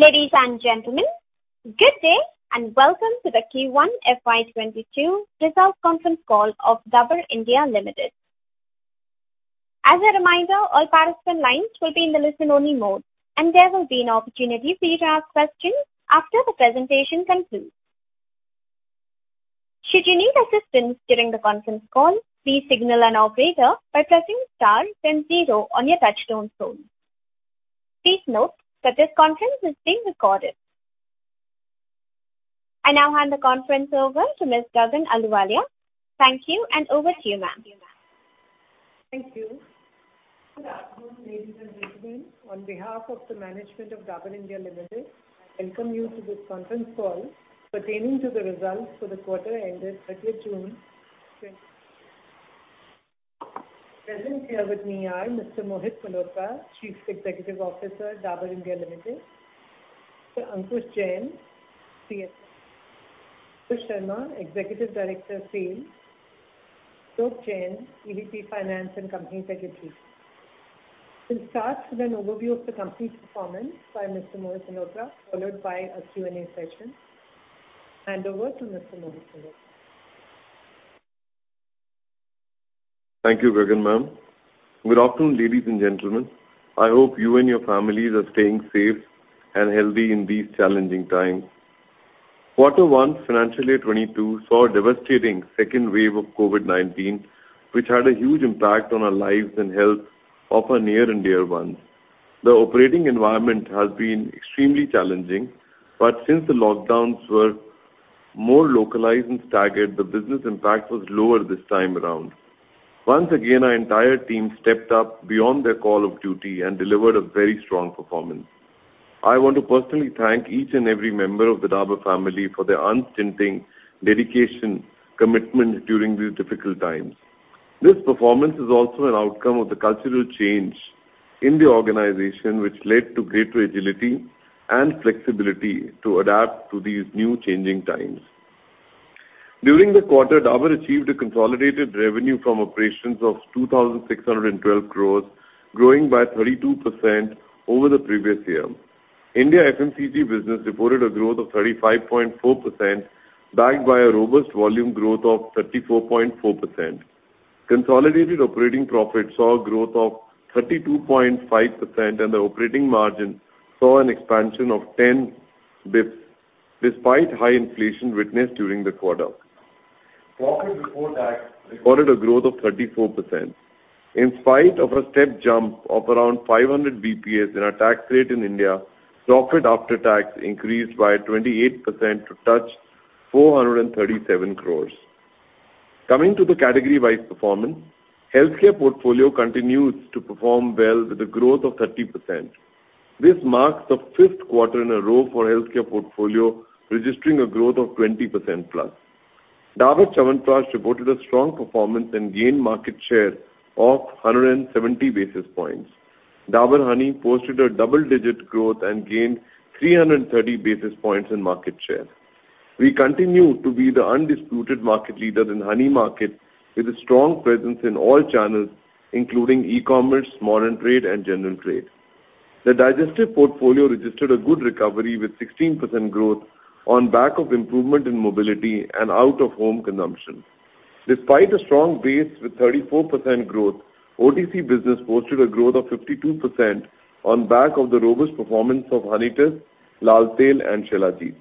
Ladies and gentlemen, good day and welcome to the Q1 FY 2022 Result Conference Call of Dabur India Limited. As a reminder, all participant lines will be in the listen-only mode, and there will be an opportunity for you to ask questions after the presentation concludes. Should you need assistance during the conference call, please signal an operator by pressing star then zero on your touch-tone phone. Please note that this conference is being recorded. I now hand the conference over to Ms. Gagan Ahluwalia. Thank you, and over to you, Ma'am. Thank you. Good afternoon, ladies and gentlemen. On behalf of the management of Dabur India Limited, I welcome you to this conference call pertaining to the results for the quarter ended 30th June 2022. Present here with me are Mr. Mohit Malhotra, Chief Executive Officer, Dabur India Limited; Mr. Ankush Jain, CFO; Mr. Sharma, Executive Director, Sales; Ashok Jain, EVP, Finance and Group Company Secretary. We will start with an overview of the company's performance by Mr. Mohit Malhotra, followed by a Q&A session. Hand over to Mr. Mohit Malhotra. Thank you, Gagan. Good afternoon, ladies and gentlemen. I hope you and your families are staying safe and healthy in these challenging times. Quarter One Financial Year 2022 saw a devastating second wave of COVID-19, which had a huge impact on our lives and health of our near and dear ones. The operating environment has been extremely challenging, since the lockdowns were more localized and staggered, the business impact was lower this time around. Once again, our entire team stepped up beyond their call of duty and delivered a very strong performance. I want to personally thank each and every member of the Dabur family for their unstinting dedication, commitment during these difficult times. This performance is also an outcome of the cultural change in the organization, which led to greater agility and flexibility to adapt to these new changing times. During the quarter, Dabur achieved a consolidated revenue from operations of 2,612 crore, growing by 32% over the previous year. India FMCG business reported a growth of 35.4%, backed by a robust volume growth of 34.4%. Consolidated operating profits saw a growth of 32.5%, and the operating margin saw an expansion of 10 basis points despite high inflation witnessed during the quarter. Profit before tax recorded a growth of 34%. In spite of a step jump of around 500 basis points in our tax rate in India, profit after tax increased by 28% to touch 437 crores. Coming to the category-wise performance, healthcare portfolio continues to perform well with a growth of 30%. This marks the 5th quarter in a row for healthcare portfolio registering a growth of 20%+. Dabur Chyawanprash reported a strong performance and gained market share of 170 basis points. Dabur Honey posted a double-digit growth and gained 330 basis points in market share. We continue to be the undisputed market leader in honey market with a strong presence in all channels, including e-commerce, modern trade, and general trade. The digestive portfolio registered a good recovery with 16% growth on back of improvement in mobility and out-of-home consumption. Despite a strong base with 34% growth, OTC business posted a growth of 52% on back of the robust performance of Honitus, Lal Tail, and Shilajit.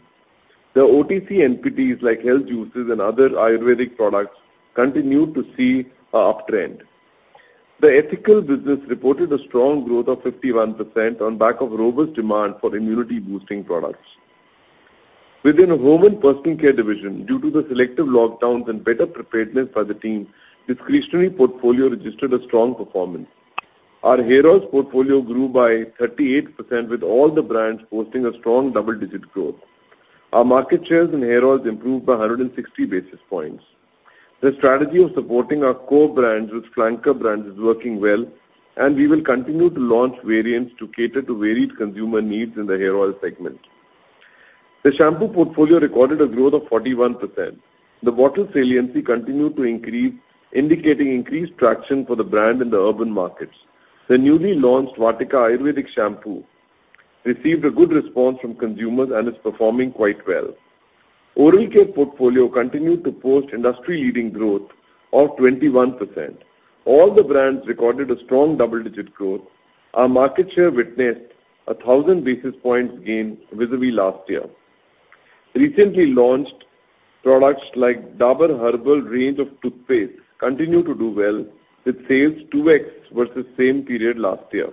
The OTC NPDs like health juices and other Ayurvedic products continue to see an uptrend. The ethical business reported a strong growth of 51% on back of robust demand for immunity-boosting products. Within home and personal care division, due to the selective lockdowns and better preparedness by the team, discretionary portfolio registered a strong performance. Our hair oils portfolio grew by 38%, with all the brands posting a strong double-digit growth. Our market shares in hair oils improved by 160 basis points. The strategy of supporting our core brands with flanker brands is working well, and we will continue to launch variants to cater to varied consumer needs in the hair oil segment. The shampoo portfolio recorded a growth of 41%. The bottle saliency continued to increase, indicating increased traction for the brand in the urban markets. The newly launched Vatika Ayurvedic Shampoo received a good response from consumers and is performing quite well. Oral care portfolio continued to post industry-leading growth of 21%. All the brands recorded a strong double-digit growth. Our market share witnessed 1,000 basis points gain vis-à-vis last year. Recently launched products like Dabur Herbal range of toothpaste continue to do well, with sales 2x versus same period last year.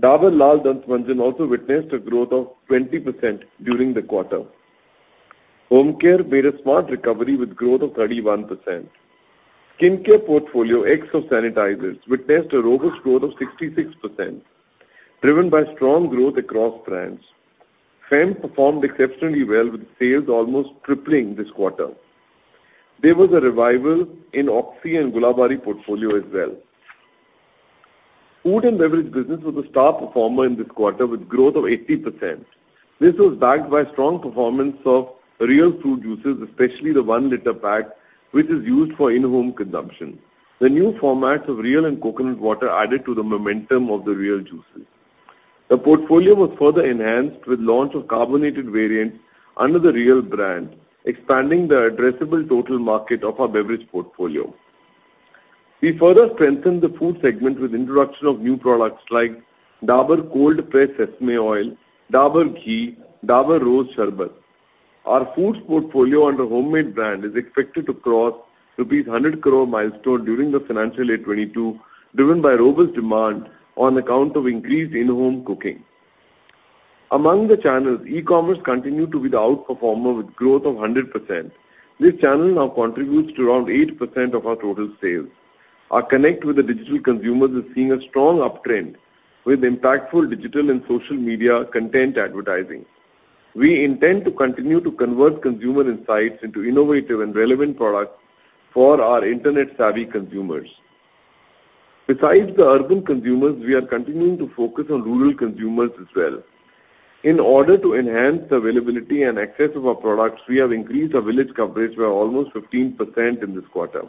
Dabur Lal Dant Manjan also witnessed a growth of 20% during the quarter. Home care made a smart recovery with growth of 31%. Skincare portfolio, ex of sanitizers, witnessed a robust growth of 66%, driven by strong growth across brands. Fem performed exceptionally well, with sales almost tripling this quarter. There was a revival in Oxy and Gulabari portfolio as well. Food and beverage business was a star performer in this quarter, with growth of 80%. This was backed by strong performance of Réal fruit juices, especially the 1 L pack, which is used for in-home consumption. The new formats of Réal and coconut water added to the momentum of the Réal juices. The portfolio was further enhanced with launch of carbonated variants under the Réal brand, expanding the addressable total market of our beverage portfolio. We further strengthened the food segment with introduction of new products like Dabur Cold Pressed Sesame Oil, Dabur Ghee, Dabur Rose Syrup. Our foods portfolio under Hommade brand is expected to cross rupees 100 crore milestone during the financial year 2022, driven by robust demand on account of increased in-home cooking. Among the channels, e-commerce continued to be the outperformer with growth of 100%. This channel now contributes to around 8% of our total sales. Our connect with the digital consumers is seeing a strong uptrend, with impactful digital and social media content advertising. We intend to continue to convert consumer insights into innovative and relevant products for our Internet-savvy consumers. Besides the urban consumers, we are continuing to focus on rural consumers as well. In order to enhance the availability and access of our products, we have increased our village coverage by almost 15% in this quarter.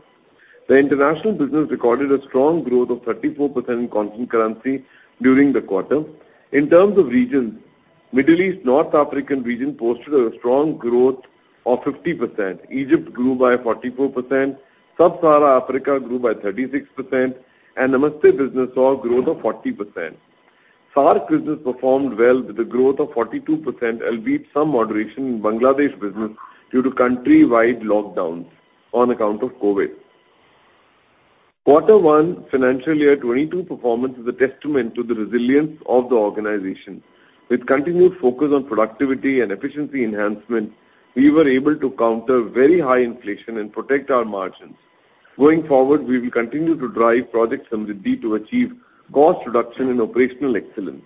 The international business recorded a strong growth of 34% in constant currency during the quarter. In terms of regions, Middle East North African region posted a strong growth of 50%. Egypt grew by 44%, Sub-Sahara Africa grew by 36%, and Namaste business saw a growth of 40%. SAARC business performed well with a growth of 42%, albeit some moderation in Bangladesh business due to countrywide lockdowns on account of COVID. Quarter one financial year 2022 performance is a testament to the resilience of the organization. With continued focus on productivity and efficiency enhancement, we were able to counter very high inflation and protect our margins. Going forward, we will continue to drive Project Samriddhi to achieve cost reduction and operational excellence.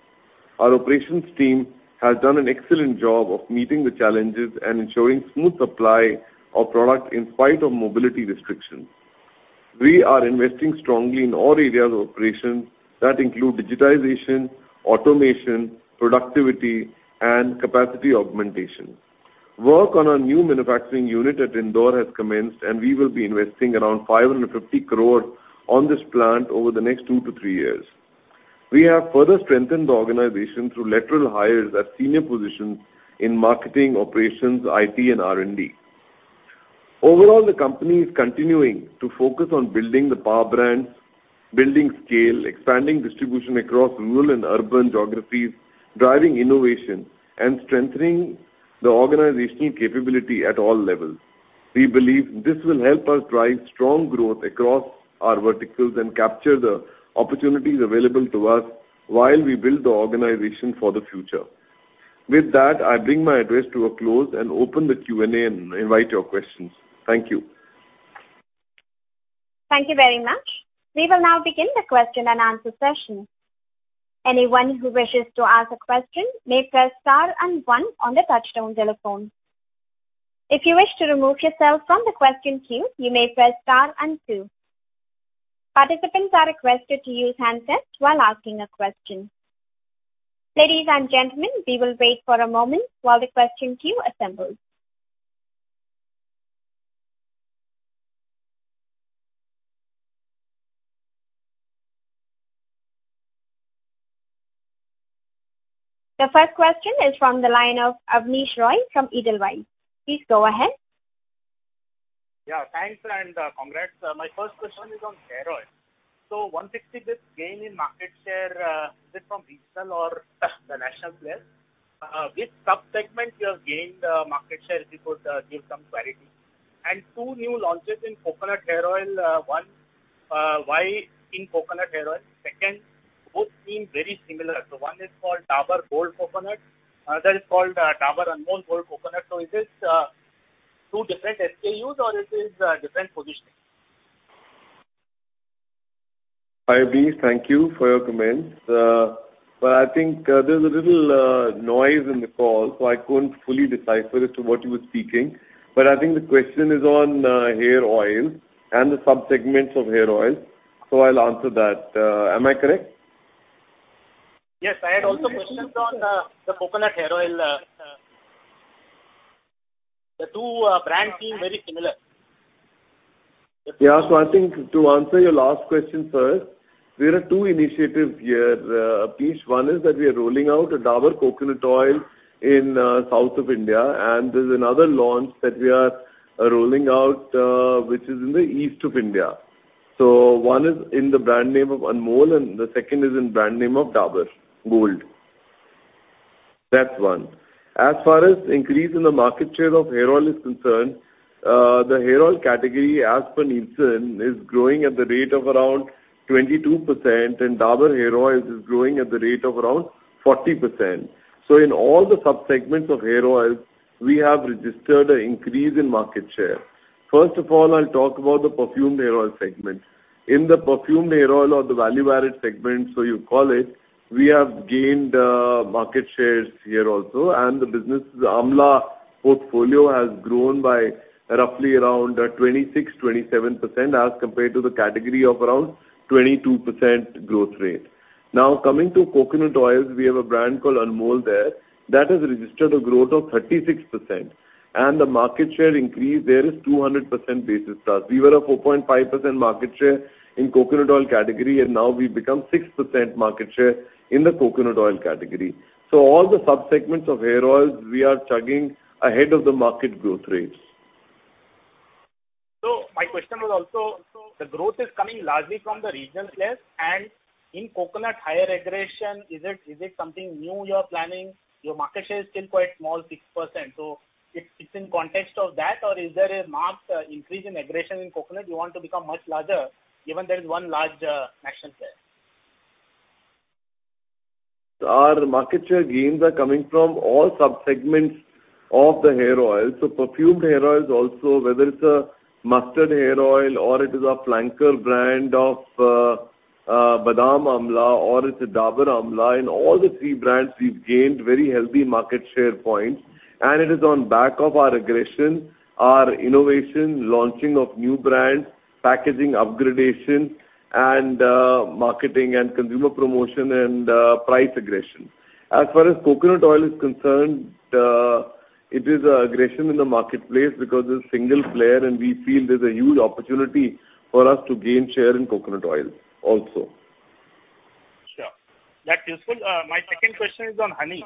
Our operations team has done an excellent job of meeting the challenges and ensuring smooth supply of product in spite of mobility restrictions. We are investing strongly in all areas of operations that include digitization, automation, productivity, and capacity augmentation. Work on our new manufacturing unit at Indore has commenced, and we will be investing around 550 crore on this plant over the next two-three years. We have further strengthened the organization through lateral hires at senior positions in marketing, operations, IT and R&D. Overall, the company is continuing to focus on building the power brands, building scale, expanding distribution across rural and urban geographies, driving innovation, and strengthening the organizational capability at all levels. We believe this will help us drive strong growth across our verticals and capture the opportunities available to us while we build the organization for the future. With that, I bring my address to a close and open the Q&A and invite your questions. Thank you. Thank you very much. We will now begin the question and answer session. Anyone who wishes to ask a question may press star and one on the touchtone telephone. If you wish to remove yourself from the question queue, you may press star and two. Participants are requested to use handsets while asking a question. Ladies and gentlemen, we will wait for a moment while the question queue assembles. The first question is from the line of Abneesh Roy from Edelweiss. Please go ahead. Yeah, thanks and congrats. My first question is on hair oil. 160 basis points gain in market share, is it from regional or the national player? Which subsegment you have gained market share? If you could give some clarity. two new launches in coconut hair oil. one, why in coconut hair oil? Second, both seem very similar. one is called Dabur Gold Coconut, another is called Dabur Anmol Gold Coconut. Is this two different SKUs, or is this different positioning? Hi, Abneesh. Thank you for your comments. I think there's a little noise in the call, so I couldn't fully decipher as to what you were speaking. I think the question is on hair oil and the subsegments of hair oil. I'll answer that. Am I correct? Yes. I had also questions on the coconut hair oil. The two brands seem very similar. I think to answer your last question first, there are two initiatives here, Abneesh. One is that we are rolling out a Dabur coconut oil in south of India, and there's another launch that we are rolling out, which is in the east of India. One is in the brand name of Anmol, and the second is in brand name of Dabur Gold. That's one. As far as increase in the market share of hair oil is concerned, the hair oil category, as per Nielsen, is growing at the rate of around 22%, and Dabur hair oil is growing at the rate of around 40%. In all the subsegments of hair oils, we have registered an increase in market share. First of all, I'll talk about the perfumed hair oil segment. In the perfumed hair oil or the value-added segment, so you call it, we have gained market shares here also, and the business is Amla Portfolio has grown by roughly around 26%-27%, as compared to the category of around 22% growth rate. Coming to coconut oils, we have a brand called Anmol there. That has registered a growth of 36%, and the market share increase there is 200 basis points. We were a 4.5% market share in coconut oil category, and now we've become 6% market share in the coconut oil category. All the sub-segments of hair oils, we are chugging ahead of the market growth rates. My question was also, the growth is coming largely from the regional players and in coconut, higher aggression, is it something new you are planning? Your market share is still quite small, 6%. It's in context of that or is there a marked increase in aggression in coconut? You want to become much larger, even there is one large national player. Our market share gains are coming from all sub-segments of the hair oil. Perfumed hair oils also, whether it's a mustard hair oil or it is a flanker brand of Badam Amla or it's a Dabur Amla. In all the three brands, we've gained very healthy market share points and it is on back of our aggression, our innovation, launching of new brands, packaging upgradation and marketing and consumer promotion and price aggression. As far as coconut oil is concerned, it is aggression in the marketplace because it's a single player and we feel there's a huge opportunity for us to gain share in coconut oil also. Sure. That's useful. My second question is on honey.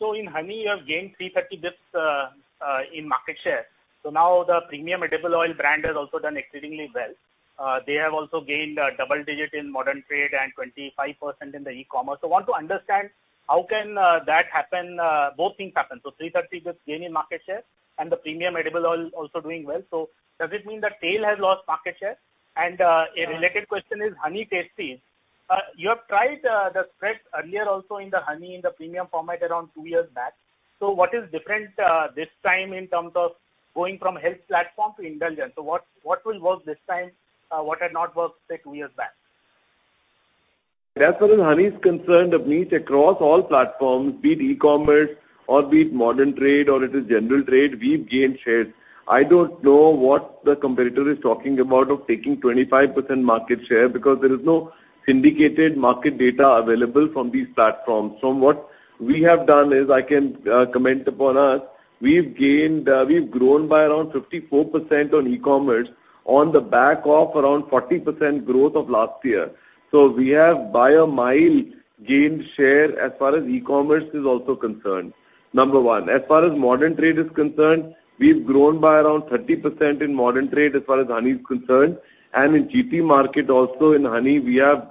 In honey you have gained 330 basis points in market share. Now the premium edible oil brand has also done exceedingly well. They have also gained double-digit in modern trade and 25% in the e-commerce. I want to understand how can both things happen. 330 basis points gain in market share and the premium edible oil also doing well. Does it mean that tail has lost market share? A related question is Honey Tasties. You have tried the spread earlier also in the honey in the premium format around two years back. What is different this time in terms of going from health platform to indulgence? What will work this time, what had not worked say two years back? As far as honey is concerned, Abneesh, across all platforms, be it e-commerce or be it modern trade or it is general trade, we've gained shares. I don't know what the competitor is talking about of taking 25% market share because there is no syndicated market data available from these platforms. From what we have done is, I can comment upon us, we've grown by around 54% on e-commerce on the back of around 40% growth of last year. So we have by a mile gained share as far as e-commerce is also concerned. Number one. As far as modern trade is concerned, we've grown by around 30% in modern trade as far as honey is concerned, and in GT market also in honey we have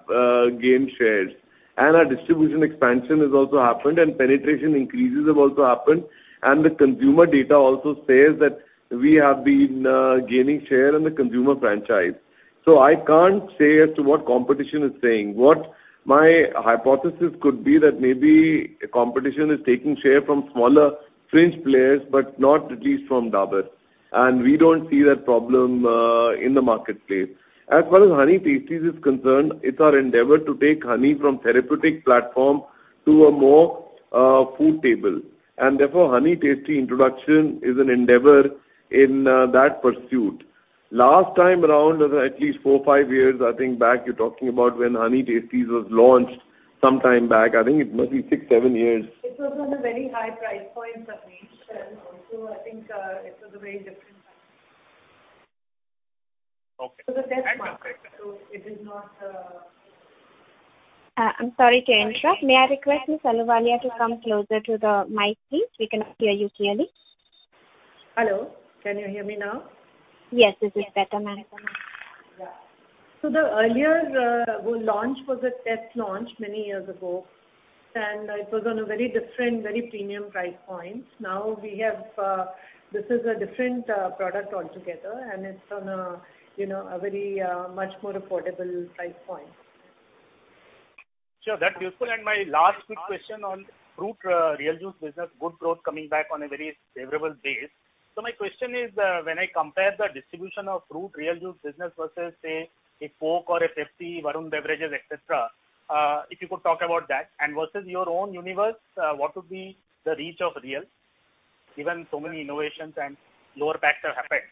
gained shares. Our distribution expansion has also happened and penetration increases have also happened, and the consumer data also says that we have been gaining share in the consumer franchise. I can't say as to what competition is saying. What my hypothesis could be that maybe competition is taking share from smaller fringe players but not at least from Dabur. We don't see that problem in the marketplace. As far as Honey Tasties is concerned, it's our endeavor to take honey from therapeutic platform to a more food table. Therefore, honey tasty introduction is an endeavor in that pursuit. Last time around was at least four, five years, I think back you're talking about when Honey Tasties was launched sometime back. I think it must be six, seven years. It was on a very high price point, Abneesh, and also I think it was a very different time. Okay. It was a test market, so it is not. I'm sorry to interrupt. May I request Ms. Ahluwalia to come closer to the mic please? We cannot hear you clearly. Hello, can you hear me now? Yes. This is better, madam. Yeah. The earlier launch was a test launch many years ago and it was on a very different, very premium price point. This is a different product altogether and it's on a very much more affordable price point. Sure. That's useful. My last quick question on fruit Réal juice business, good growth coming back on a very favorable base. My question is, when I compare the distribution of fruit Réal juice business versus say a Coke or a Pepsi, Varun Beverages, et cetera, if you could talk about that. Versus your own universe, what would be the reach of Réal given so many innovations and lower packs have happened?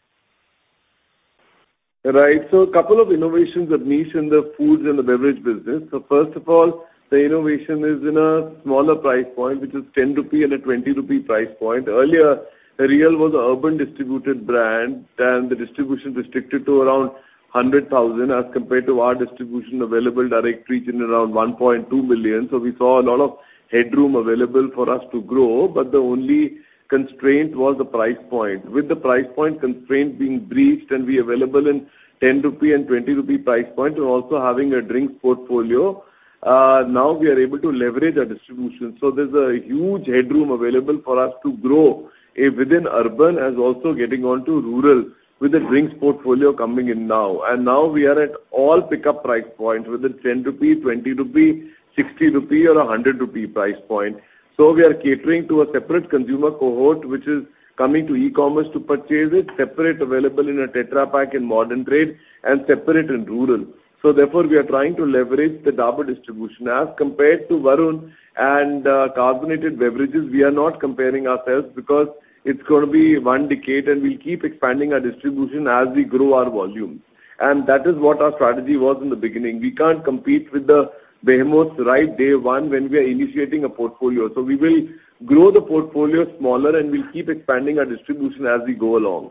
Right. A couple of innovations, Abneesh, in the foods and the beverage business. First of all, the innovation is in a smaller price point, which is 10 rupee and a 20 rupee price point. Earlier, Réal was a urban distributed brand and the distribution restricted to around 100,000 as compared to our distribution available direct reach in around 1.2 million. We saw a lot of headroom available for us to grow, but the only constraint was the price point. With the price point constraint being breached and we available in 10 rupee and 20 rupee price point and also having a drinks portfolio, now we are able to leverage our distribution. There's a huge headroom available for us to grow within urban as also getting onto rural with the drinks portfolio coming in now. Now we are at all pickup price points, whether it's 10 rupee, 20 rupee, 60 rupee or 100 rupee price point. We are catering to a separate consumer cohort which is coming to e-commerce to purchase it, separate available in a Tetra Pak in modern trade and separate in rural. Therefore, we are trying to leverage the Dabur distribution. As compared to Varun and carbonated beverages, we are not comparing ourselves because it's going to be one decade and we'll keep expanding our distribution as we grow our volumes. That is what our strategy was in the beginning. We can't compete with the behemoths right day one when we are initiating a portfolio. We will grow the portfolio smaller, and we'll keep expanding our distribution as we go along.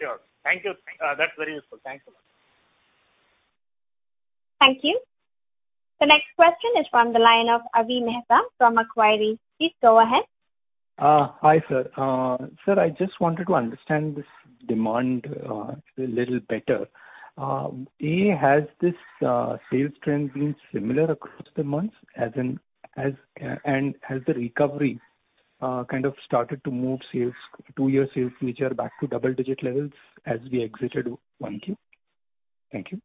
Sure. Thank you. That's very useful. Thank you. Thank you. The next question is from the line of Avi Mehta from Macquarie. Please go ahead. Hi, sir. Sir, I just wanted to understand this demand a little better. A, has this sales trend been similar across the months, and has the recovery kind of started to move two-year sales future back to double-digit levels as we exited 1Q? Thank you.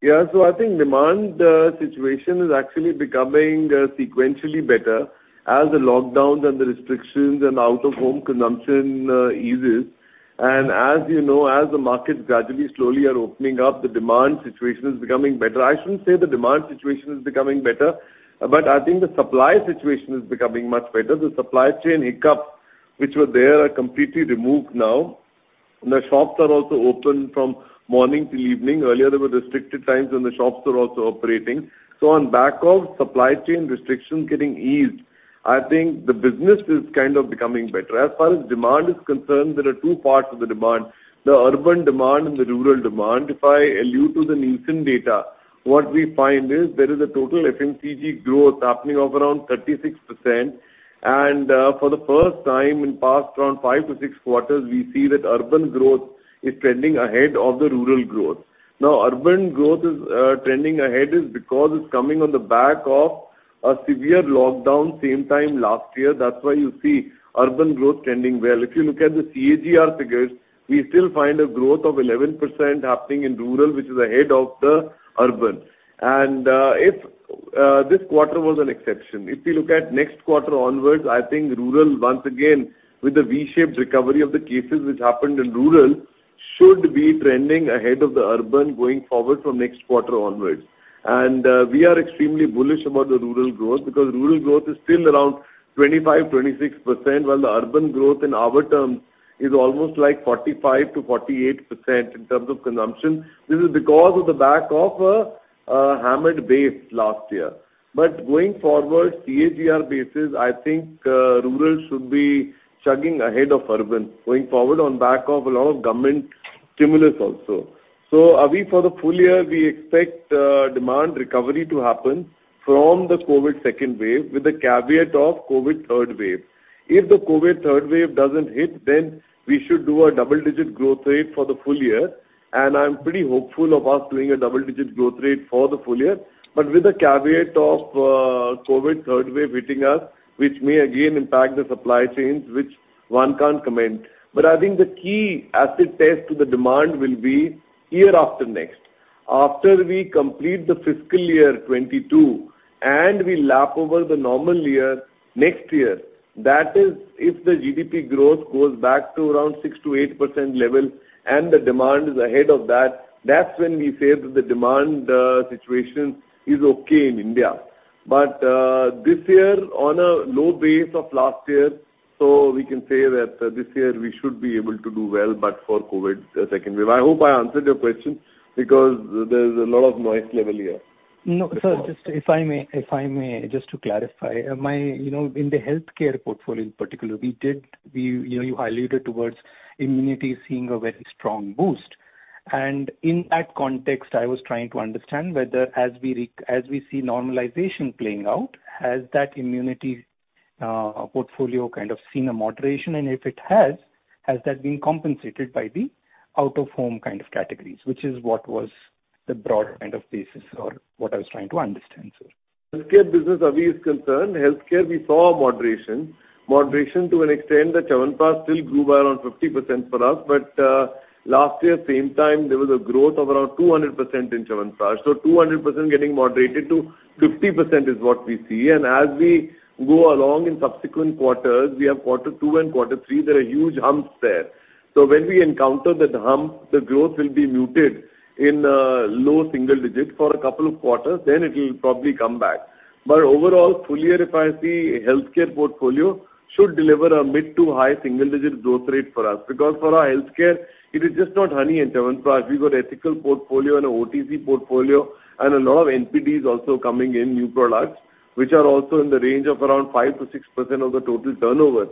Yeah. I think demand situation is actually becoming sequentially better as the lockdowns and the restrictions and out-of-home consumption eases. As you know, as the markets gradually, slowly are opening up, the demand situation is becoming better. I shouldn't say the demand situation is becoming better, but I think the supply situation is becoming much better. The supply chain hiccups, which were there, are completely removed now. The shops are also open from morning till evening. Earlier, there were restricted times when the shops were also operating. On back of supply chain restrictions getting eased, I think the business is kind of becoming better. As far as demand is concerned, there are two parts of the demand, the urban demand and the rural demand. If I allude to the Nielsen data, what we find is there is a total FMCG growth happening of around 36%, and for the first time in past around five to six quarters, we see that urban growth is trending ahead of the rural growth. Now, urban growth is trending ahead is because it's coming on the back of a severe lockdown same time last year. That's why you see urban growth trending well. If you look at the CAGR figures, we still find a growth of 11% happening in rural, which is ahead of the urban. This quarter was an exception. If we look at next quarter onwards, I think rural, once again, with the V-shaped recovery of the cases which happened in rural, should be trending ahead of the urban going forward from next quarter onwards. We are extremely bullish about the rural growth, because rural growth is still around 25%, 26%, while the urban growth in our terms is almost like 45%-48% in terms of consumption. This is because of the back of a hammered base last year. Going forward, CAGR basis, I think rural should be chugging ahead of urban, going forward on back of a lot of government stimulus also. Avi, for the full year, we expect demand recovery to happen from the COVID second wave with the caveat of COVID third wave. If the COVID third wave doesn't hit, then we should do a double-digit growth rate for the full year, and I'm pretty hopeful of us doing a double-digit growth rate for the full year. With the caveat of COVID third wave hitting us, which may again impact the supply chains, which one can't comment. I think the key acid test to the demand will be year after next. After we complete the fiscal year 2022, and we lap over the normal year next year. That is, if the GDP growth goes back to around 6%-8% level and the demand is ahead of that's when we say that the demand situation is okay in India. This year, on a low base of last year, so we can say that this year we should be able to do well but for COVID second wave. I hope I answered your question, because there's a lot of noise level here. No. Sir, just if I may, just to clarify. In the healthcare portfolio in particular, you alluded towards immunity seeing a very strong boost. In that context, I was trying to understand whether as we see normalization playing out, has that immunity portfolio kind of seen a moderation? If it has that been compensated by the out-of-home kind of categories? What was the broad kind of basis or what I was trying to understand, sir. Healthcare business, Avi, is concerned, healthcare we saw a moderation. Moderation to an extent that Chyawanprash still grew by around 50% for us. Last year same time, there was a growth of around 200% in Chyawanprash. 200% getting moderated to 50% is what we see. As we go along in subsequent quarters, we have quarter two and quarter three, there are huge humps there. When we encounter the hump, the growth will be muted in low single digits for a couple of quarters, then it will probably come back. Overall, full year, if I see, healthcare portfolio should deliver a mid to high single-digit growth rate for us. Because for our healthcare, it is just not Honey and Chyawanprash. We've got ethical portfolio and a OTC portfolio and a lot of NPD is also coming in, new products, which are also in the range of around 5%-6% of the total turnover.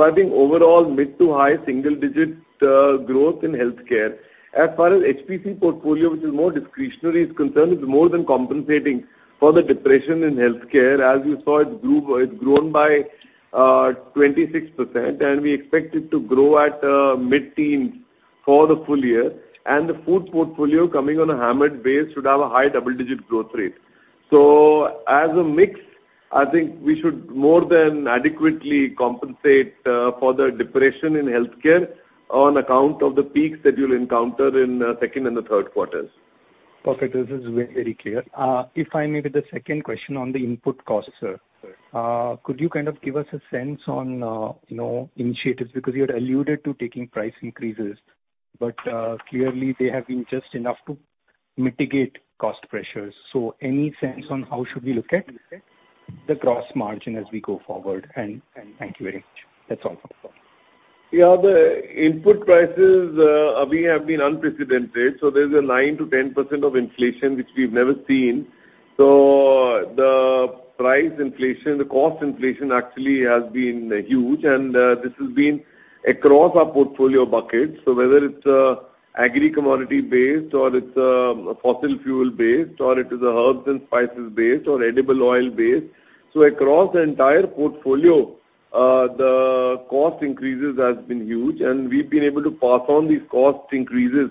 I think overall, mid to high single digit growth in healthcare. As far as HPC portfolio, which is more discretionary, is concerned, it's more than compensating for the depression in healthcare. As you saw, it's grown by 26%, and we expect it to grow at mid-teens for the full year. The food portfolio coming on a hammered base should have a high double-digit growth rate. As a mix, I think we should more than adequately compensate for the depression in healthcare on account of the peaks that you'll encounter in second and third quarters. Okay. This is very clear. If I may, with the second question on the input cost, sir. Sir. Could you kind of give us a sense on initiatives? Because you had alluded to taking price increases, but clearly they have been just enough to mitigate cost pressures. Any sense on how should we look at it, the gross margin as we go forward? Thank you very much. That's all from my side. Yeah, the input prices, Avi, have been unprecedented. There's a 9%-10% of inflation, which we've never seen. The price inflation, the cost inflation actually has been huge, and this has been across our portfolio buckets. Whether it's agri-commodity based or it's fossil fuel based, or it is herbs and spices based or edible oil based. Across the entire portfolio, the cost increases have been huge, and we've been able to pass on these cost increases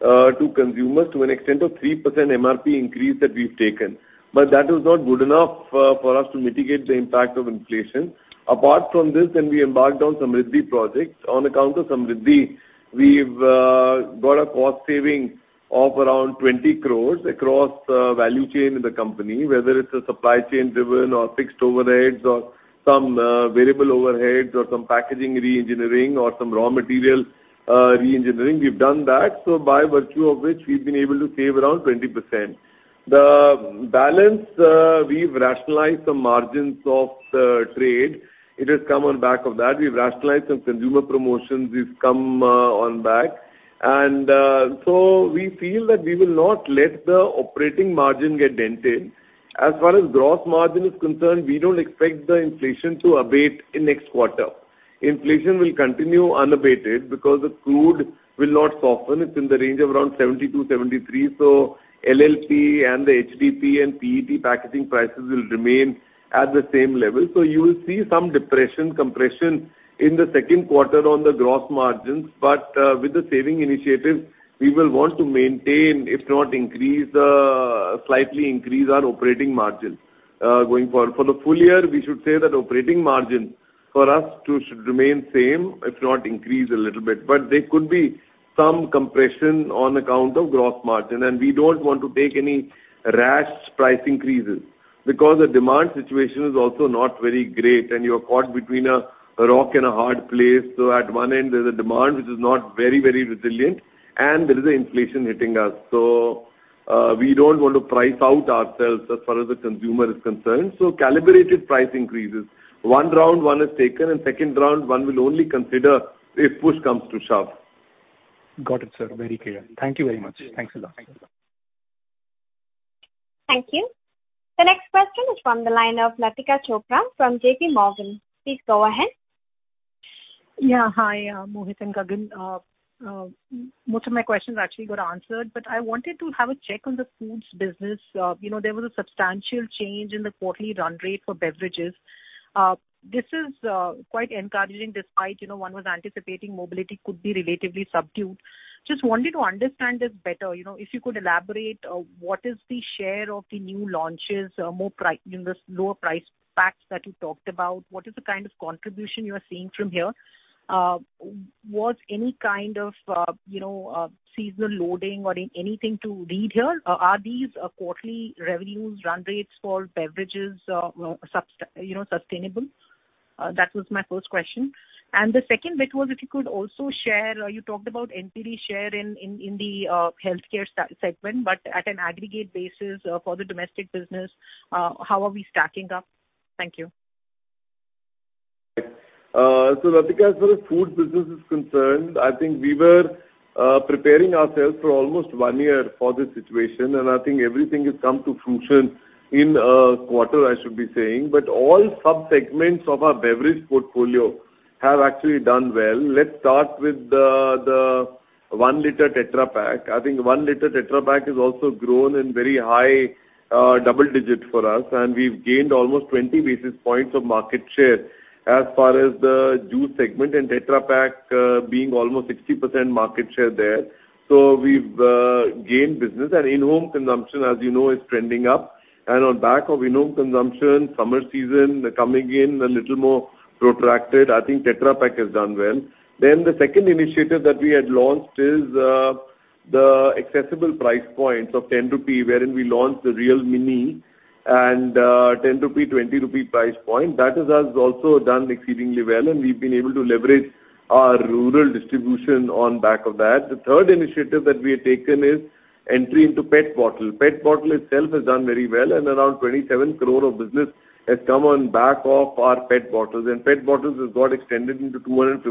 to consumers to an extent of 3% MRP increase that we've taken. That is not good enough for us to mitigate the impact of inflation. Apart from this, we embarked on Samriddhi Project. On account of Samriddhi, we've got a cost saving of around 20 crores across the value chain in the company, whether it's supply chain driven or fixed overheads or some variable overheads or some packaging re-engineering or some raw material re-engineering. We've done that. By virtue of which we've been able to save around 20%. The balance, we've rationalized some margins of trade. It has come on back of that. We've rationalized some consumer promotions. We've come on back. We feel that we will not let the operating margin get dented. As far as gross margin is concerned, we don't expect the inflation to abate in next quarter. Inflation will continue unabated because the crude will not soften. It's in the range of around 72, 73. LLP and the HDPE and PET packaging prices will remain at the same level. You will see some depression, compression in the second quarter on the gross margins. With the saving initiative, we will want to maintain, if not increase, slightly increase our operating margins going forward. For the full year, we should say that operating margin for us too should remain same, if not increase a little bit. There could be some compression on account of gross margin. We don't want to take any rash price increases because the demand situation is also not very great, and you're caught between a rock and a hard place. At one end, there's a demand which is not very resilient, and there is inflation hitting us. We don't want to price out ourselves as far as the consumer is concerned. Calibrated price increases. One round, one is taken, and second round, one will only consider if push comes to shove. Got it, sir. Very clear. Thank you very much. Thanks a lot. Thank you. The next question is from the line of Latika Chopra from JPMorgan. Please go ahead. Hi, Mohit and Gagan. Most of my questions actually got answered, but I wanted to have a check on the foods business. There was a substantial change in the quarterly run rate for beverages. This is quite encouraging despite one was anticipating mobility could be relatively subdued. Just wanted to understand this better. If you could elaborate, what is the share of the new launches, these lower price packs that you talked about? What is the kind of contribution you are seeing from here? Was any kind of seasonal loading or anything to read here? Are these quarterly revenues run rates for beverages sustainable? That was my first question. The second bit was if you could also share, you talked about NPD share in the healthcare segment, but at an aggregate basis for the domestic business, how are we stacking up? Thank you. Latika, as far as foods business is concerned, I think we were preparing ourselves for almost one year for this situation, and I think everything has come to fruition in a quarter, I should be saying. All subsegments of our beverage portfolio have actually done well. Let's start with the 1 L Tetra Pak. I think 1 L Tetra Pak has also grown in very high double digits for us, and we've gained almost 20 basis points of market share as far as the juice segment and Tetra Pak being almost 60% market share there. We've gained business, and in-home consumption, as you know, is trending up. On back of in-home consumption, summer season coming in a little more protracted, I think Tetra Pak has done well. The second initiative that we had launched is the accessible price points of 10 rupee, wherein we launched the Réal Mini and 10 rupee, 20 rupee price point. That has also done exceedingly well, and we've been able to leverage our rural distribution on back of that. The third initiative that we have taken is entry into PET bottle. PET bottle itself has done very well, and around 27 crore of business has come on back of our PET bottles. PET bottles has got extended into 250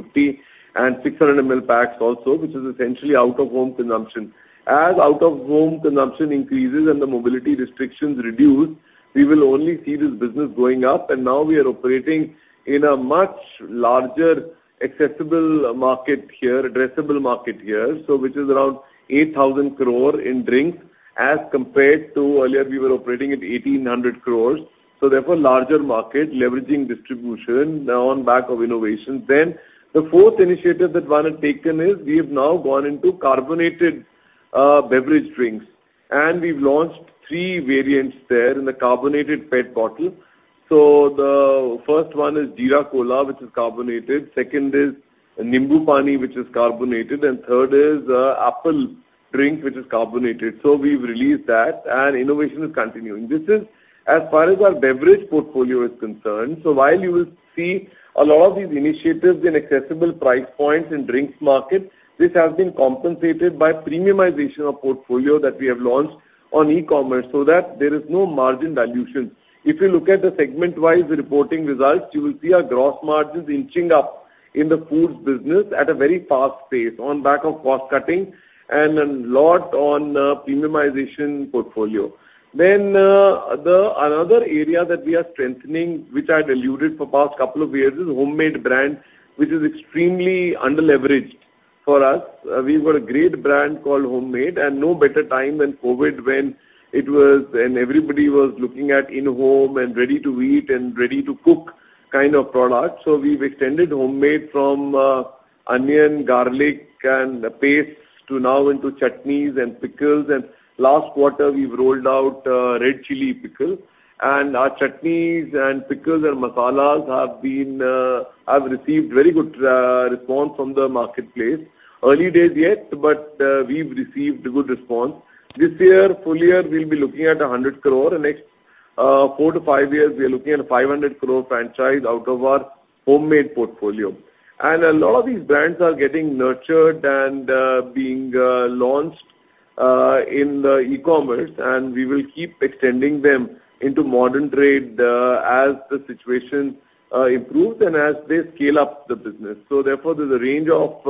and 600 ml packs also, which is essentially out-of-home consumption. As out-of-home consumption increases and the mobility restrictions reduce, we will only see this business going up. Now we are operating in a much larger accessible market here, addressable market here. Which is around 8,000 crore in drinks as compared to earlier we were operating at 1,800 crore. Therefore, larger market leveraging distribution on back of innovation. The fourth initiative that one had taken is we have now gone into carbonated beverage drinks, and we've launched three variants there in the carbonated PET bottle. The first one is Jeera Cola, which is carbonated. Second is Nimbu Pani, which is carbonated. Third is Apple Drink, which is carbonated. We've released that, and innovation is continuing. This is as far as our beverage portfolio is concerned. While you will see a lot of these initiatives in accessible price points in drinks market, this has been compensated by premiumization of portfolio that we have launched on e-commerce so that there is no margin dilution. If you look at the segment-wise reporting results, you will see our gross margins inching up in the foods business at a very fast pace on back of cost cutting, and a lot on premiumization portfolio. Another area that we are strengthening, which I'd alluded for past couple of years, is Hommade brand, which is extremely under-leveraged for us. We've got a great brand called Hommade and no better time than COVID when everybody was looking at in-home and ready-to-eat and ready-to-cook kind of products. We've extended Hommade from onion, garlic, and the pastes to now into chutneys and pickles, and last quarter we've rolled out red chili pickle. Our chutneys and pickles and masalas have received very good response from the marketplace. Early days yet, but we've received good response. This year, full year, we'll be looking at 100 crore. The next four to five years, we are looking at 500 crore franchise out of our Hommade portfolio. A lot of these brands are getting nurtured and being launched in the e-commerce, and we will keep extending them into modern trade as the situation improves and as they scale up the business. Therefore, there's a range of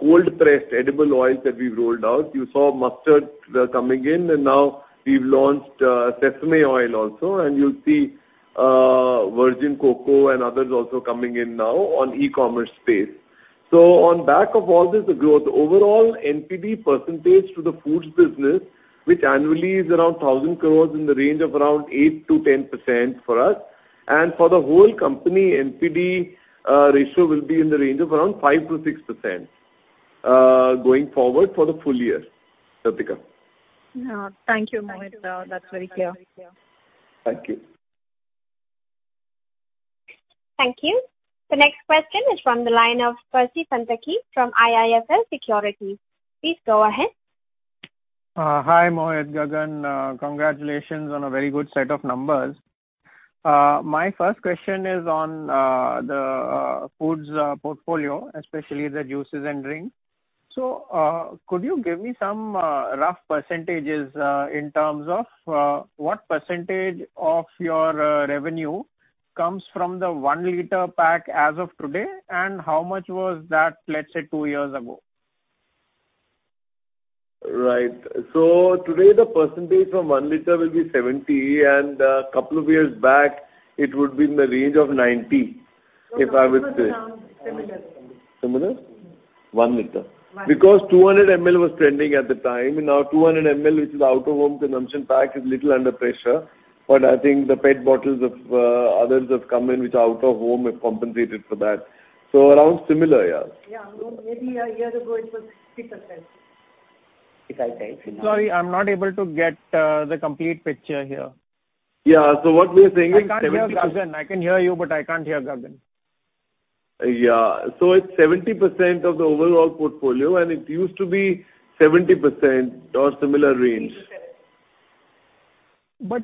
cold-pressed edible oils that we've rolled out. You saw mustard coming in, and now we've launched sesame oil also, and you'll see virgin cocoa and others also coming in now on e-commerce space. On back of all this growth, overall NPD percentage to the foods business, which annually is around 1,000 crores in the range of around 8%-10% for us. For the whole company, NPD ratio will be in the range of around 5%-6%, going forward for the full year. Latika. Thank you, Mohit. That's very clear. Thank you. Thank you. The next question is from the line of Percy Panthaki from IIFL Securities. Please go ahead. Hi, Mohit, Gagan. Congratulations on a very good set of numbers. My first question is on the foods portfolio, especially the juices and drinks. Could you give me some rough percentages, in terms of what percentage of your revenue comes from the 1 L pack as of today, and how much was that, let's say, two years ago? Right. Today the percentage from one liter will be 70%, and a couple of years back, it would be in the range of 90%, if I would say. Similar. Similar? 1 L. 200 ml was trending at the time, and now 200 ml, which is out-of-home consumption pack, is little under pressure. I think the PET bottles of others have come in, which are out-of-home, have compensated for that. Around similar. Yeah. Maybe a year ago it was 60%. If I say. Sorry, I'm not able to get the complete picture here. Yeah. I can't hear Gagan. I can hear you, but I can't hear Gagan. Yeah. It's 70% of the overall portfolio, and it used to be 70% or similar range.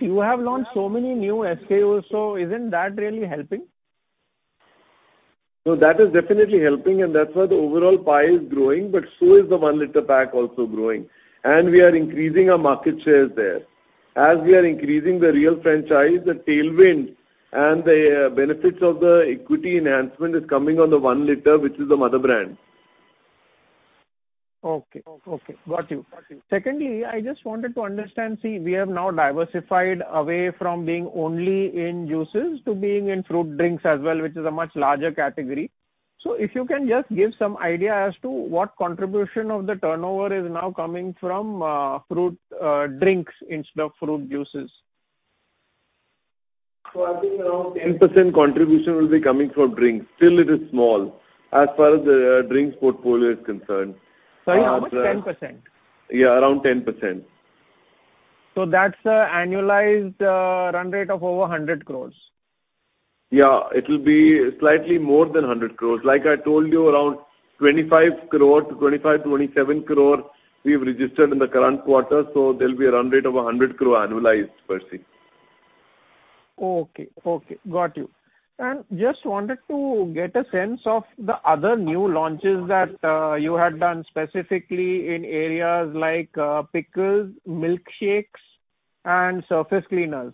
You have launched so many new SKUs, so isn't that really helping? That is definitely helping, and that's why the overall pie is growing, but so is the 1 L pack also growing. We are increasing our market shares there. As we are increasing the Réal franchise, the tailwinds and the benefits of the equity enhancement is coming on the 1 L, which is the mother brand. Okay. Got you. Secondly, I just wanted to understand, see, we have now diversified away from being only in juices to being in fruit drinks as well, which is a much larger category. If you can just give some idea as to what contribution of the turnover is now coming from fruit drinks instead of fruit juices. I think around 10% contribution will be coming from drinks. Still it is small as far as the drinks portfolio is concerned. Sorry, how much? 10%? Yeah, around 10%. That's an annualized run rate of over 100 crores. Yeah, it'll be slightly more than 100 crores. Like I told you, around 25 crores, 27 crores we've registered in the current quarter. There'll be a run rate of 100 crore annualized, Percy. Okay. Got you. Just wanted to get a sense of the other new launches that you had done specifically in areas like pickles, milkshakes, and surface cleaners.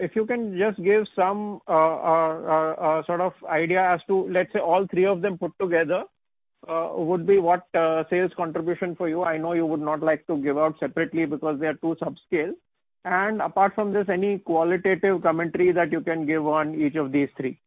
If you can just give some sort of idea as to, let's say all three of them put together, would be what sales contribution for you. I know you would not like to give out separately because they are too subscale. Apart from this, any qualitative commentary that you can give on each of these three.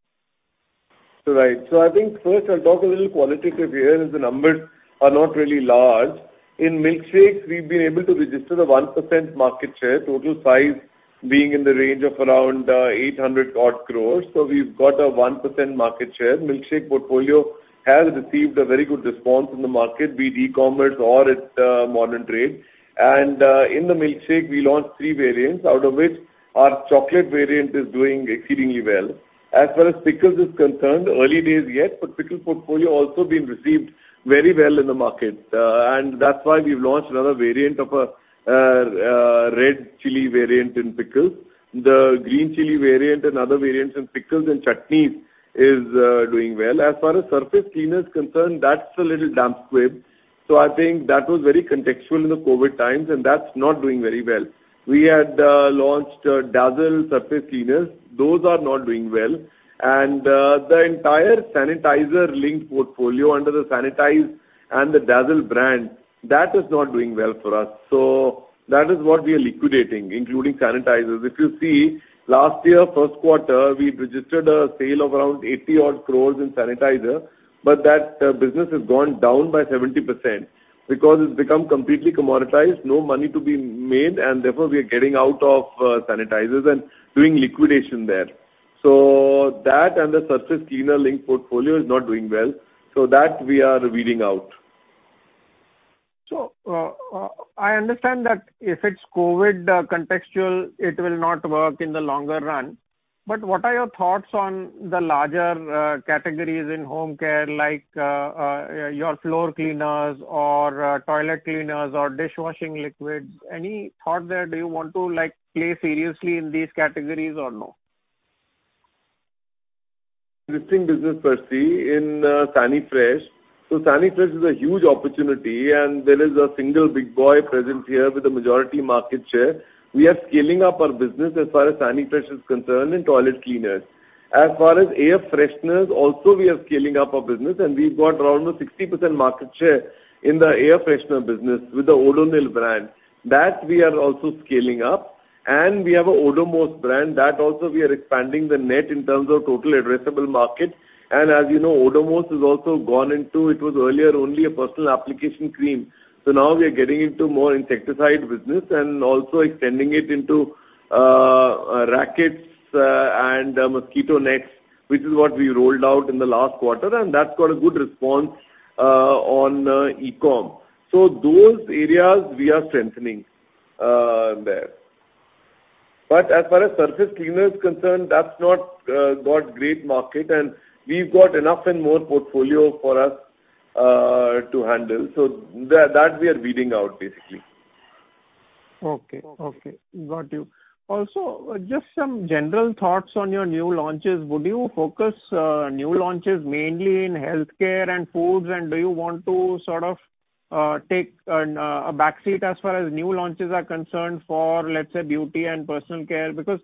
Right. I think first I'll talk a little qualitative here, as the numbers are not really large. In milkshakes, we've been able to register the 1% market share, total size being in the range of around 800 odd crores. We've got a 1% market share. Milkshake portfolio has received a very good response from the market, be it e-commerce or at modern trade. In the milkshake, we launched three variants, out of which our chocolate variant is doing exceedingly well. As far as pickles is concerned, early days yet, but pickle portfolio also been received very well in the market. That's why we've launched another variant of a red chili variant in pickles. The green chili variant and other variants in pickles and chutneys is doing well. As far as surface cleaner is concerned, that's a little damp squib. I think that was very contextual in the COVID times, and that's not doing very well. We had launched Dazzl surface cleaners. Those are not doing well. The entire sanitizer-linked portfolio under the Sanitize and the Dazzl brand, that is not doing well for us. That is what we are liquidating, including sanitizers. If you see, last year first quarter, we registered a sale of around 80 odd crores in sanitizer, but that business has gone down by 70%, because it's become completely commoditized, no money to be made, and therefore, we are getting out of sanitizers and doing liquidation there. That and the surface cleaner link portfolio is not doing well, so that we are weeding out. I understand that if it's COVID contextual, it will not work in the longer run. What are your thoughts on the larger categories in home care, like your floor cleaners or toilet cleaners or dishwashing liquids? Any thought there? Do you want to play seriously in these categories or no? Existing business, Percy, in Sanifresh. Sanifresh is a huge opportunity, and there is a single big boy presence here with the majority market share. We are scaling up our business as far as Sanifresh is concerned in toilet cleaners. As far as air fresheners also, we are scaling up our business, and we've got around a 60% market share in the air freshener business with the Odonil brand. That we are also scaling up. We have an Odomos brand. That also, we are expanding the net in terms of total addressable market. Odomos has also gone into, It was earlier only a personal application cream. Now we are getting into more insecticide business and also extending it into rackets and mosquito nets, which is what we rolled out in the last quarter, and that got a good response on e-com. Those areas, we are strengthening there. As far as surface cleaner is concerned, that's not got great market, and we've got enough and more portfolio for us to handle. That we are weeding out, basically. Okay. Got you. Also, just some general thoughts on your new launches. Would you focus new launches mainly in healthcare and foods, do you want to sort of take a backseat as far as new launches are concerned for, let's say, beauty and personal care? Because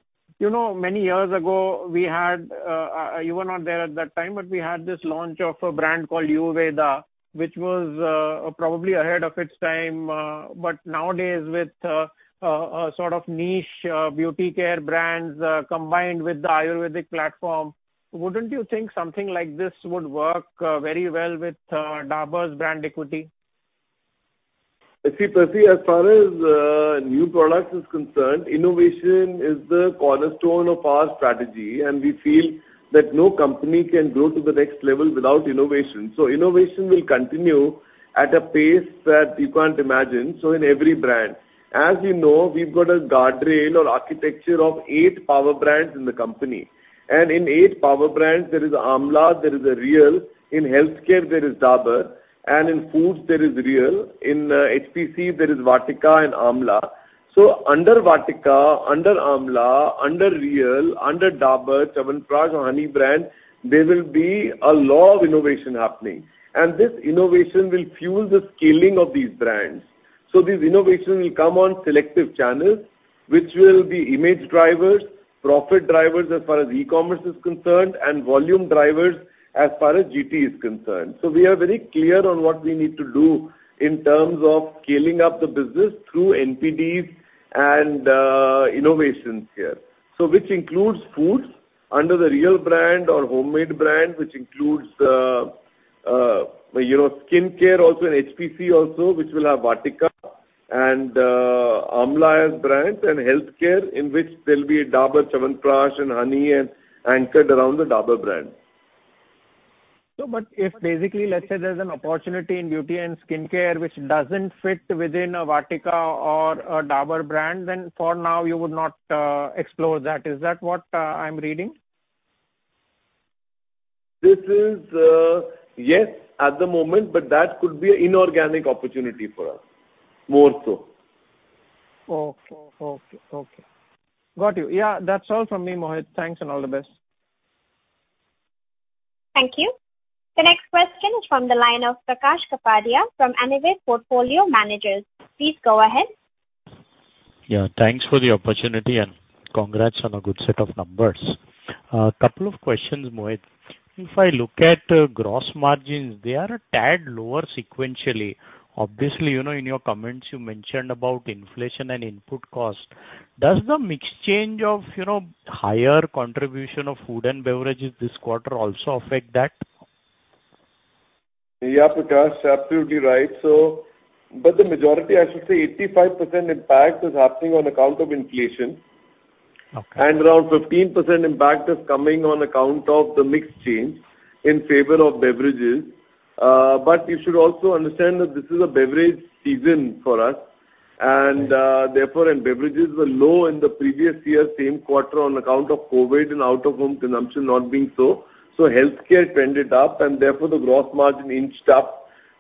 many years ago, you were not there at that time, but we had this launch of a brand called Uveda, which was probably ahead of its time. Nowadays, with sort of niche beauty care brands combined with the Ayurvedic platform, wouldn't you think something like this would work very well with Dabur's brand equity? You see, Percy, as far as new products is concerned, innovation is the cornerstone of our strategy, and we feel that no company can grow to the next level without innovation. Innovation will continue at a pace that you can't imagine, so in every brand. As you know, we've got a guardrail or architecture of eight power brands in the company. In eight power brands, there is Amla, there is a Réal. In healthcare, there is Dabur, and in foods, there is Réal. In HPC, there is Vatika and Amla. Under Vatika, under Amla, under Réal, under Dabur, Chyawanprash, or Honey brand, there will be a lot of innovation happening, and this innovation will fuel the scaling of these brands. This innovation will come on selective channels, which will be image drivers, profit drivers as far as e-commerce is concerned, and volume drivers as far as GT is concerned. We are very clear on what we need to do in terms of scaling up the business through NPDs and innovations here. Which includes foods under the Réal brand or Hommade brand, which includes skincare also, and HPC also, which will have Vatika and Amla as brands, and healthcare, in which there'll be Dabur Chyawanprash and Honey and anchored around the Dabur brand. No, if basically, let's say there's an opportunity in beauty and skincare which doesn't fit within a Vatika or a Dabur brand, then for now, you would not explore that. Is that what I'm reading? This is, yes, at the moment. That could be an inorganic opportunity for us, more so. Okay. Got you. That's all from me, Mohit. Thanks and all the best. Thank you. The next question is from the line of Prakash Kapadia from Anived Portfolio Managers. Please go ahead. Thanks for the opportunity and congrats on a good set of numbers. A couple of questions, Mohit. If I look at gross margins, they are a tad lower sequentially. Obviously, in your comments, you mentioned about inflation and input cost. Does the mix change of higher contribution of food and beverages this quarter also affect that? Yeah, Prakash. Absolutely right. The majority, I should say 85% impact is happening on account of inflation. Okay. Around 15% impact is coming on account of the mix change in favor of beverages. You should also understand that this is a beverage season for us, and therefore, and beverages were low in the previous year same quarter on account of COVID and out-of-home consumption not being so. Healthcare trended up, and therefore, the gross margin inched up.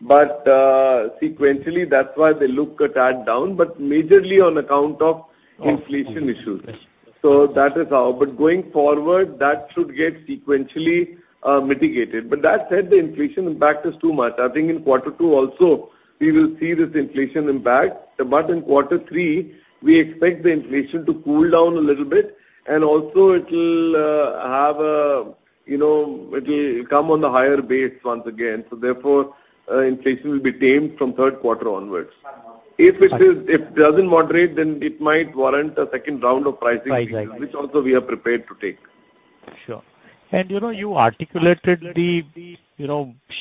Sequentially, that's why they look a tad down, but majorly on account of inflation issues. That is how. Going forward, that should get sequentially mitigated. That said, the inflation impact is too much. I think in quarter two also, we will see this inflation impact. In quarter three, we expect the inflation to cool down a little bit, and also it'll come on a higher base once again, so therefore, inflation will be tamed from third quarter onwards. If it doesn't moderate, then it might warrant a second round of pricing. Right. Which also we are prepared to take. Sure. You articulated the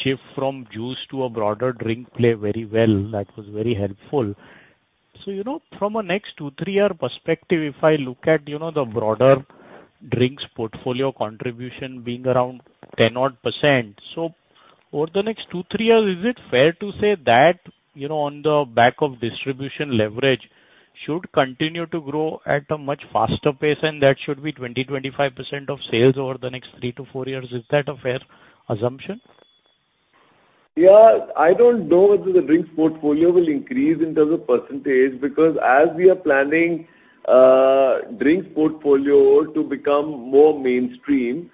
shift from juice to a broader drink play very well. That was very helpful. From a next two, three-year perspective, if I look at the broader drinks portfolio contribution being around 10 odd percent. Over the next two, three years, is it fair to say that on the back of distribution leverage should continue to grow at a much faster pace and that should be 20%, 25% of sales over the next three-four years. Is that a fair assumption? Yeah, I don't know whether the drinks portfolio will increase in terms of percentage, because as we are planning drinks portfolio to become more mainstream,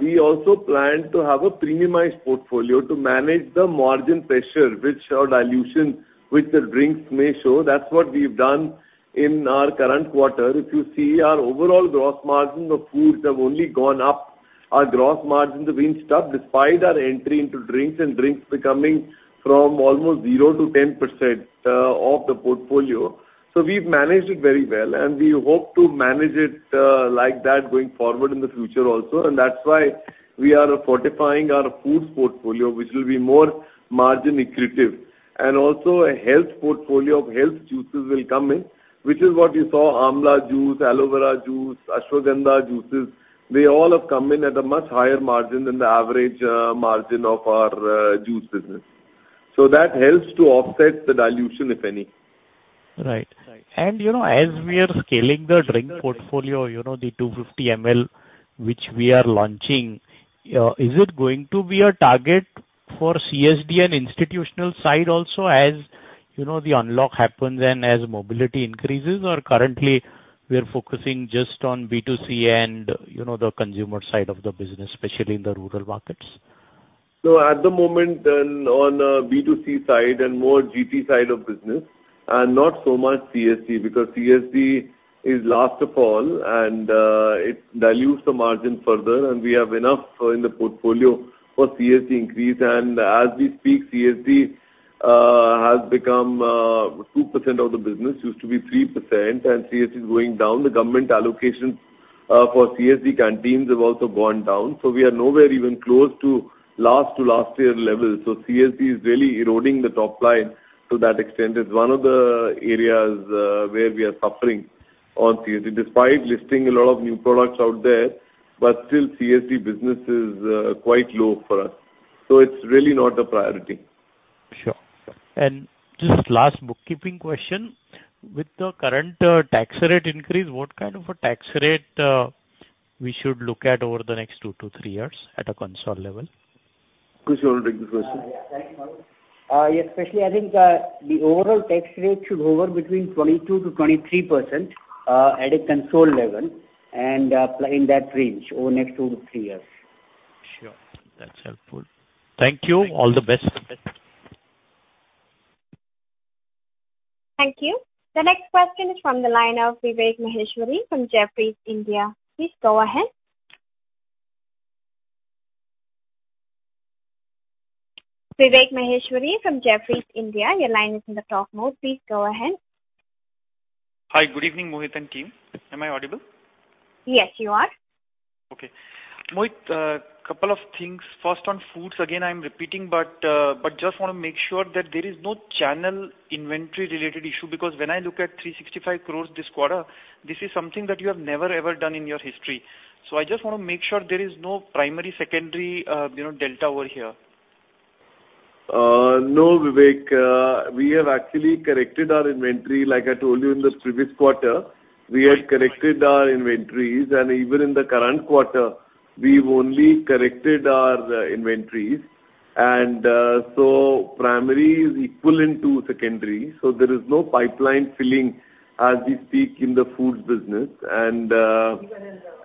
we also plan to have a premiumized portfolio to manage the margin pressure, which our dilution with the drinks may show. That's what we've done in our current quarter. If you see our overall gross margin of foods have only gone up. Our gross margins have been stuck despite our entry into drinks and drinks becoming from almost 0%-10% of the portfolio. We've managed it very well, and we hope to manage it like that going forward in the future also. That's why we are fortifying our foods portfolio, which will be more margin accretive. Also a health portfolio of health juices will come in, which is what you saw, Amla juice, Aloe Vera juice, Ashwagandha juices. They all have come in at a much higher margin than the average margin of our juice business. That helps to offset the dilution, if any. Right. As we are scaling the drink portfolio, the 250 ml which we are launching, is it going to be a target for CSD and institutional side also as the unlock happens and as mobility increases, or currently we are focusing just on B2C and the consumer side of the business, especially in the rural markets? At the moment, on B2C side and more GT side of business, not so much CSD, because CSD is last of all, it dilutes the margin further, we have enough in the portfolio for CSD increase. As we speak, CSD has become 2% of the business. Used to be 3%, CSD is going down. The government allocations for CSD canteens have also gone down. We are nowhere even close to last to last year levels. CSD is really eroding the top line to that extent. It's one of the areas where we are suffering on CSD. Despite listing a lot of new products out there, still CSD business is quite low for us. It's really not a priority. Sure. Just last bookkeeping question. With the current tax rate increase, what kind of a tax rate we should look at over the next two to three years at a consolidated level? Ankush, will take the question. Yeah. Thank you, Mohit. Especially, I think, the overall tax rate should hover between 22%-23% at a consolidated level, and in that range over next two to three years. Sure. That's helpful. Thank you. All the best. Thank you. The next question is from the line of Vivek Maheshwari from Jefferies India. Please go ahead. Vivek Maheshwari from Jefferies India. Your line is in the talk mode. Please go ahead. Hi, good evening, Mohit and team. Am I audible? Yes, you are. Okay. Mohit, couple things. First on foods, again, I'm repeating, just want to make sure that there is no channel inventory related issue, because when I look at 365 crores this quarter, this is something that you have never ever done in your history. I just want to make sure there is no primary, secondary delta over here. No, Vivek, we have actually corrected our inventory. Like I told you in the previous quarter, we had corrected our inventories, and even in the current quarter, we've only corrected our inventories. Primary is equivalent to secondary, so there is no pipeline filling as we speak in the foods business.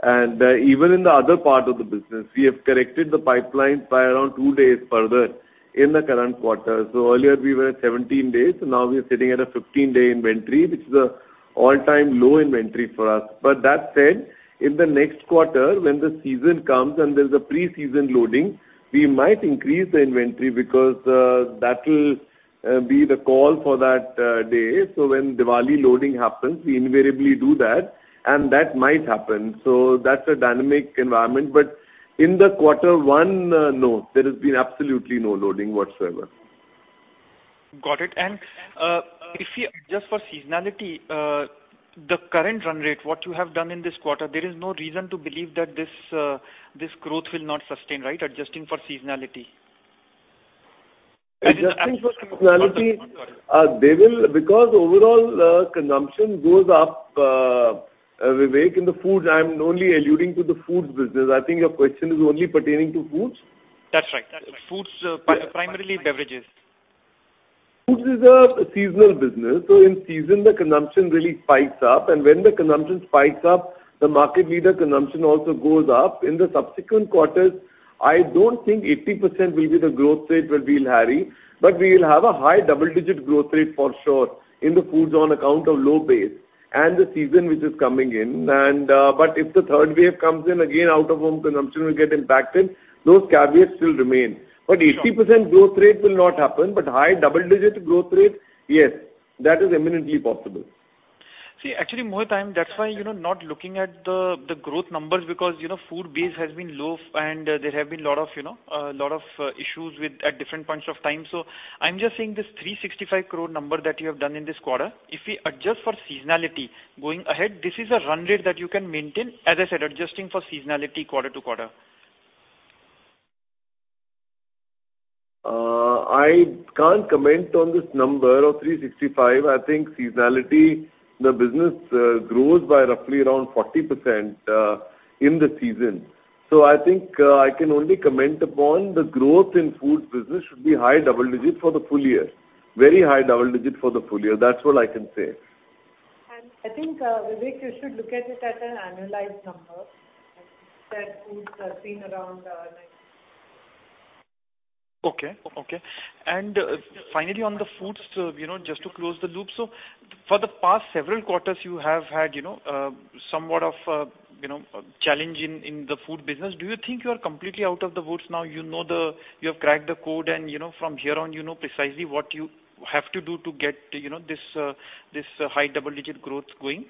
Even in the other part of the business, we have corrected the pipelines by around two days further in the current quarter. Earlier we were at 17 days, so now we are sitting at a 15-day inventory, which is a all-time low inventory for us. That said, in the next quarter, when the season comes and there's a pre-season loading, we might increase the inventory because that will be the call for that day. When Diwali loading happens, we invariably do that, and that might happen. That's a dynamic environment. In the quarter one, no, there has been absolutely no loading whatsoever. Got it. If we adjust for seasonality, the current run rate, what you have done in this quarter, there is no reason to believe that this growth will not sustain, right? Adjusting for seasonality. Adjusting for seasonality, they will, because overall consumption goes up, Vivek, in the foods. I am only alluding to the foods business. I think your question is only pertaining to foods? That's right. Foods, primarily beverages. Foods is a seasonal business. In season, the consumption really spikes up, and when the consumption spikes up, the market leader consumption also goes up. In the subsequent quarters, I don't think 80% will be the growth rate that we'll have, but we'll have a high double-digit growth rate for sure in the foods on account of low base and the season which is coming in. If the third wave comes in, again, out of home consumption will get impacted. Those caveats still remain. 80% growth rate will not happen, but high double-digit growth rate, yes, that is eminently possible. Actually, Mohit, that's why, not looking at the growth numbers because food base has been low and there have been a lot of issues at different points of time. I'm just saying this 365 crore number that you have done in this quarter, if we adjust for seasonality going ahead, this is a run rate that you can maintain, as I said, adjusting for seasonality quarter to quarter. I can't comment on this number of 365. I think seasonality, the business grows by roughly around 40% in the season. I think I can only comment upon the growth in food business should be high double digit for the full year. Very high double digit for the full year. That's all I can say. I think, Vivek, you should look at it at an annualized number that foods are seen around, like. Okay. finally, on the foods, just to close the loop. For the past several quarters, you have had somewhat of a challenge in the food business. Do you think you are completely out of the woods now? You have cracked the code and from here on, you know precisely what you have to do to get this high double-digit growth going?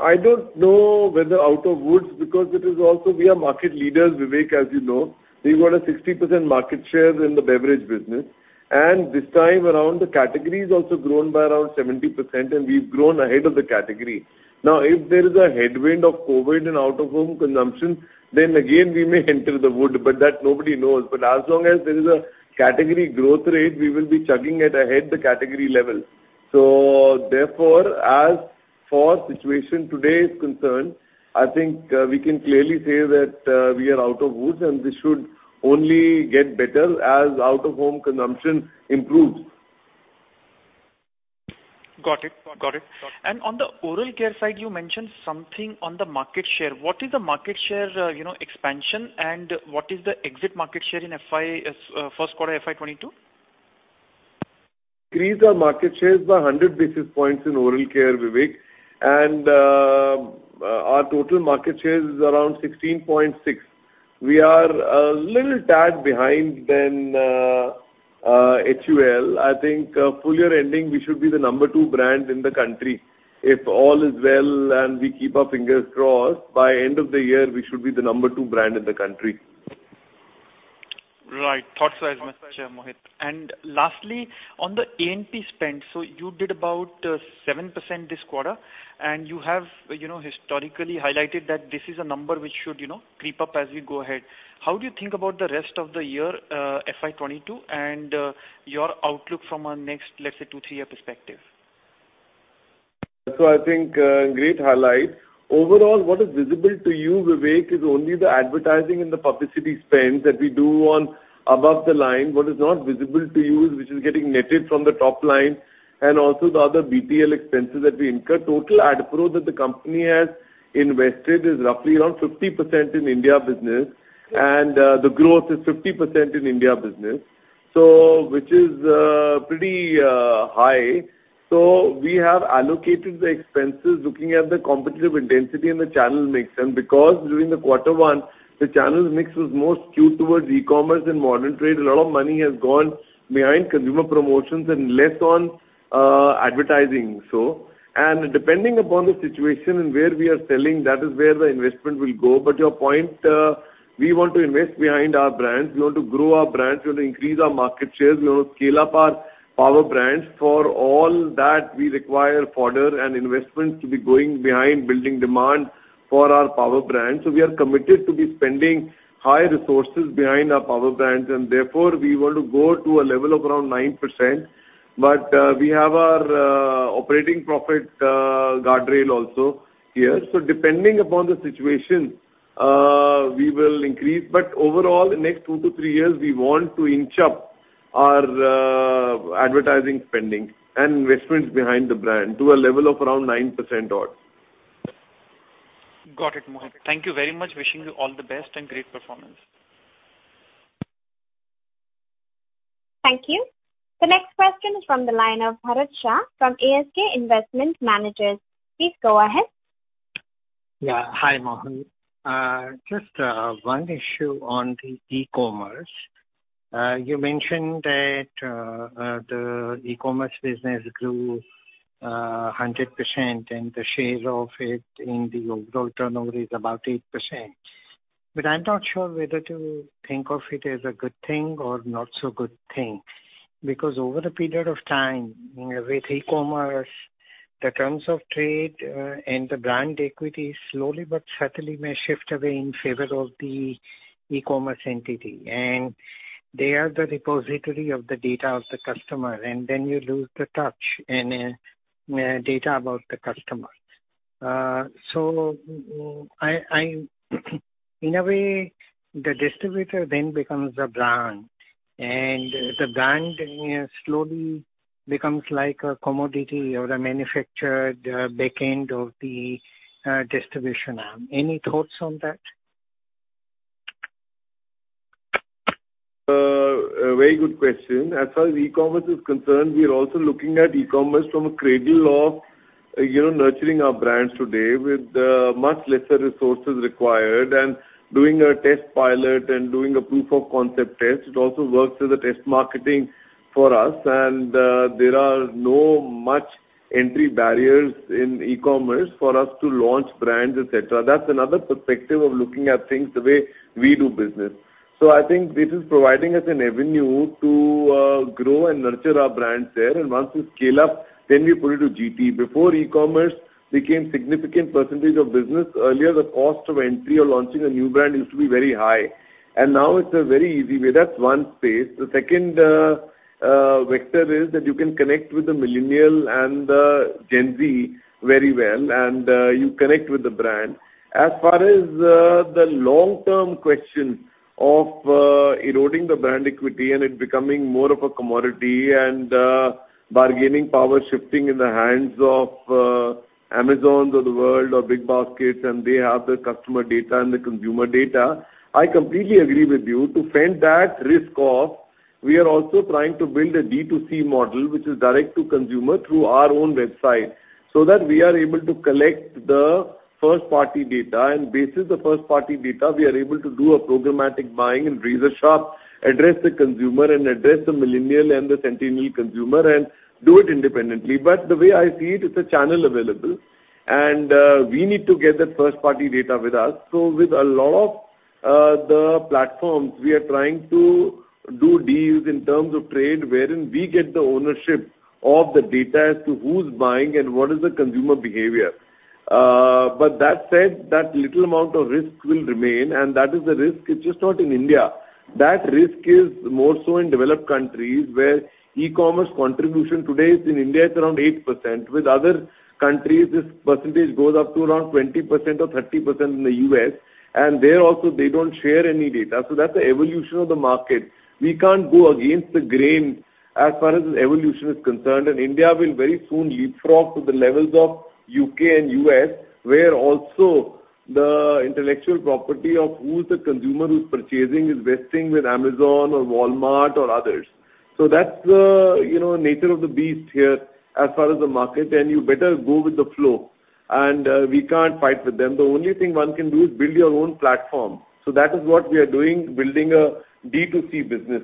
I don't know whether out of woods because it is also we are market leaders, Vivek, as you know. We've got a 60% market share in the beverage business, this time around, the category has also grown by around 70%, and we've grown ahead of the category. If there is a headwind of COVID and out-of-home consumption, then again, we may enter the wood, but that nobody knows. As long as there is a category growth rate, we will be chugging it ahead the category level. Therefore, as for situation today is concerned, I think we can clearly say that we are out of woods, and this should only get better as out-of-home consumption improves. Got it. On the oral care side, you mentioned something on the market share. What is the market share expansion, and what is the exit market share in first quarter FY 2022? Increased our market shares by 100 basis points in oral care, Vivek, and our total market share is around 16.6. We are a little tad behind than HUL. I think full year ending, we should be the number two brand in the country. If all is well, and we keep our fingers crossed, by end of the year, we should be the number two brand in the country. Right. Thoughts as much, Mohit. Lastly, on the A&P spend. You did about 7% this quarter, and you have historically highlighted that this is a number which should creep up as we go ahead. How do you think about the rest of the year FY 2022 and your outlook from a next, let's say, two to three year perspective? I think, great highlight. Overall, what is visible to you, Vivek, is only the advertising and the publicity spends that we do on above the line. What is not visible to you is which is getting netted from the top line and also the other BTL expenses that we incur. Total ad pro that the company has invested is roughly around 50% in India business, and the growth is 50% in India business, which is pretty high. We have allocated the expenses looking at the competitive intensity and the channel mix. Because during the quarter one, the channels mix was more skewed towards e-commerce and modern trade, a lot of money has gone behind consumer promotions and less on advertising. Depending upon the situation and where we are selling, that is where the investment will go. Your point, we want to invest behind our brands. We want to grow our brands. We want to increase our market shares. We want to scale up our power brands. For all that, we require fodder and investments to be going behind building demand for our power brands. We are committed to be spending high resources behind our power brands, and therefore, we want to go to a level of around 9%. We have our operating profit guardrail also here. Depending upon the situation, we will increase. Overall, the next two to three years, we want to inch up our advertising spending and investments behind the brand to a level of around 9% odd. Got it, Mohit. Thank you very much. Wishing you all the best and great performance. Thank you. The next question is from the line of Bharat Shah from ASK Investment Managers. Please go ahead. Hi, Mohit. Just one issue on the e-commerce. You mentioned that the e-commerce business grew 100%, the share of it in the overall turnover is about 8%. I'm not sure whether to think of it as a good thing or not so good thing, because over the period of time with e-commerce, the terms of trade and the brand equity slowly but subtly may shift away in favor of the e-commerce entity. They are the repository of the data of the customer, and then you lose the touch and data about the customer. In a way, the distributor then becomes the brand, and the brand slowly becomes like a commodity or a manufactured backend of the distribution arm. Any thoughts on that? A very good question. As far as e-commerce is concerned, we are also looking at e-commerce from a cradle of nurturing our brands today with much lesser resources required and doing a test pilot and doing a proof of concept test. It also works as a test marketing for us. There are not much entry barriers in e-commerce for us to launch brands, et cetera. That's another perspective of looking at things the way we do business. I think this is providing us an avenue to grow and nurture our brands there. Once we scale up, then we put it to GT. Before e-commerce became significant percentage of business, earlier, the cost of entry or launching a new brand used to be very high. Now it's a very easy way. That's one space. The second vector is that you can connect with the millennial and the Gen Z very well, and you connect with the brand. As far as the long-term question of eroding the brand equity and it becoming more of a commodity and bargaining power shifting in the hands of Amazons of the world or BigBaskets, and they have the customer data and the consumer data, I completely agree with you. To fend that risk off, we are also trying to build a D2C model, which is direct to consumer, through our own website, so that we are able to collect the first-party data. Based on the first-party data, we are able to do a programmatic buying and razor sharp address the consumer and address the millennial and the centennial consumer and do it independently. The way I see it's a channel available, and we need to get that first-party data with us. With a lot of the platforms, we are trying to do deals in terms of trade wherein we get the ownership of the data as to who's buying and what is the consumer behavior. That said, that little amount of risk will remain, and that is the risk. It's just not in India. That risk is more so in developed countries where e-commerce contribution today in India, it's around 8%. With other countries, this percentage goes up to around 20% or 30% in the U.S., and there also they don't share any data. That's the evolution of the market. We can't go against the grain as far as the evolution is concerned, India will very soon leapfrog to the levels of U.K. and U.S., where also the intellectual property of who's the consumer who's purchasing is vesting with Amazon or Walmart or others. That's the nature of the beast here as far as the market, and you better go with the flow. We can't fight with them. The only thing one can do is build your own platform. That is what we are doing, building a D2C business.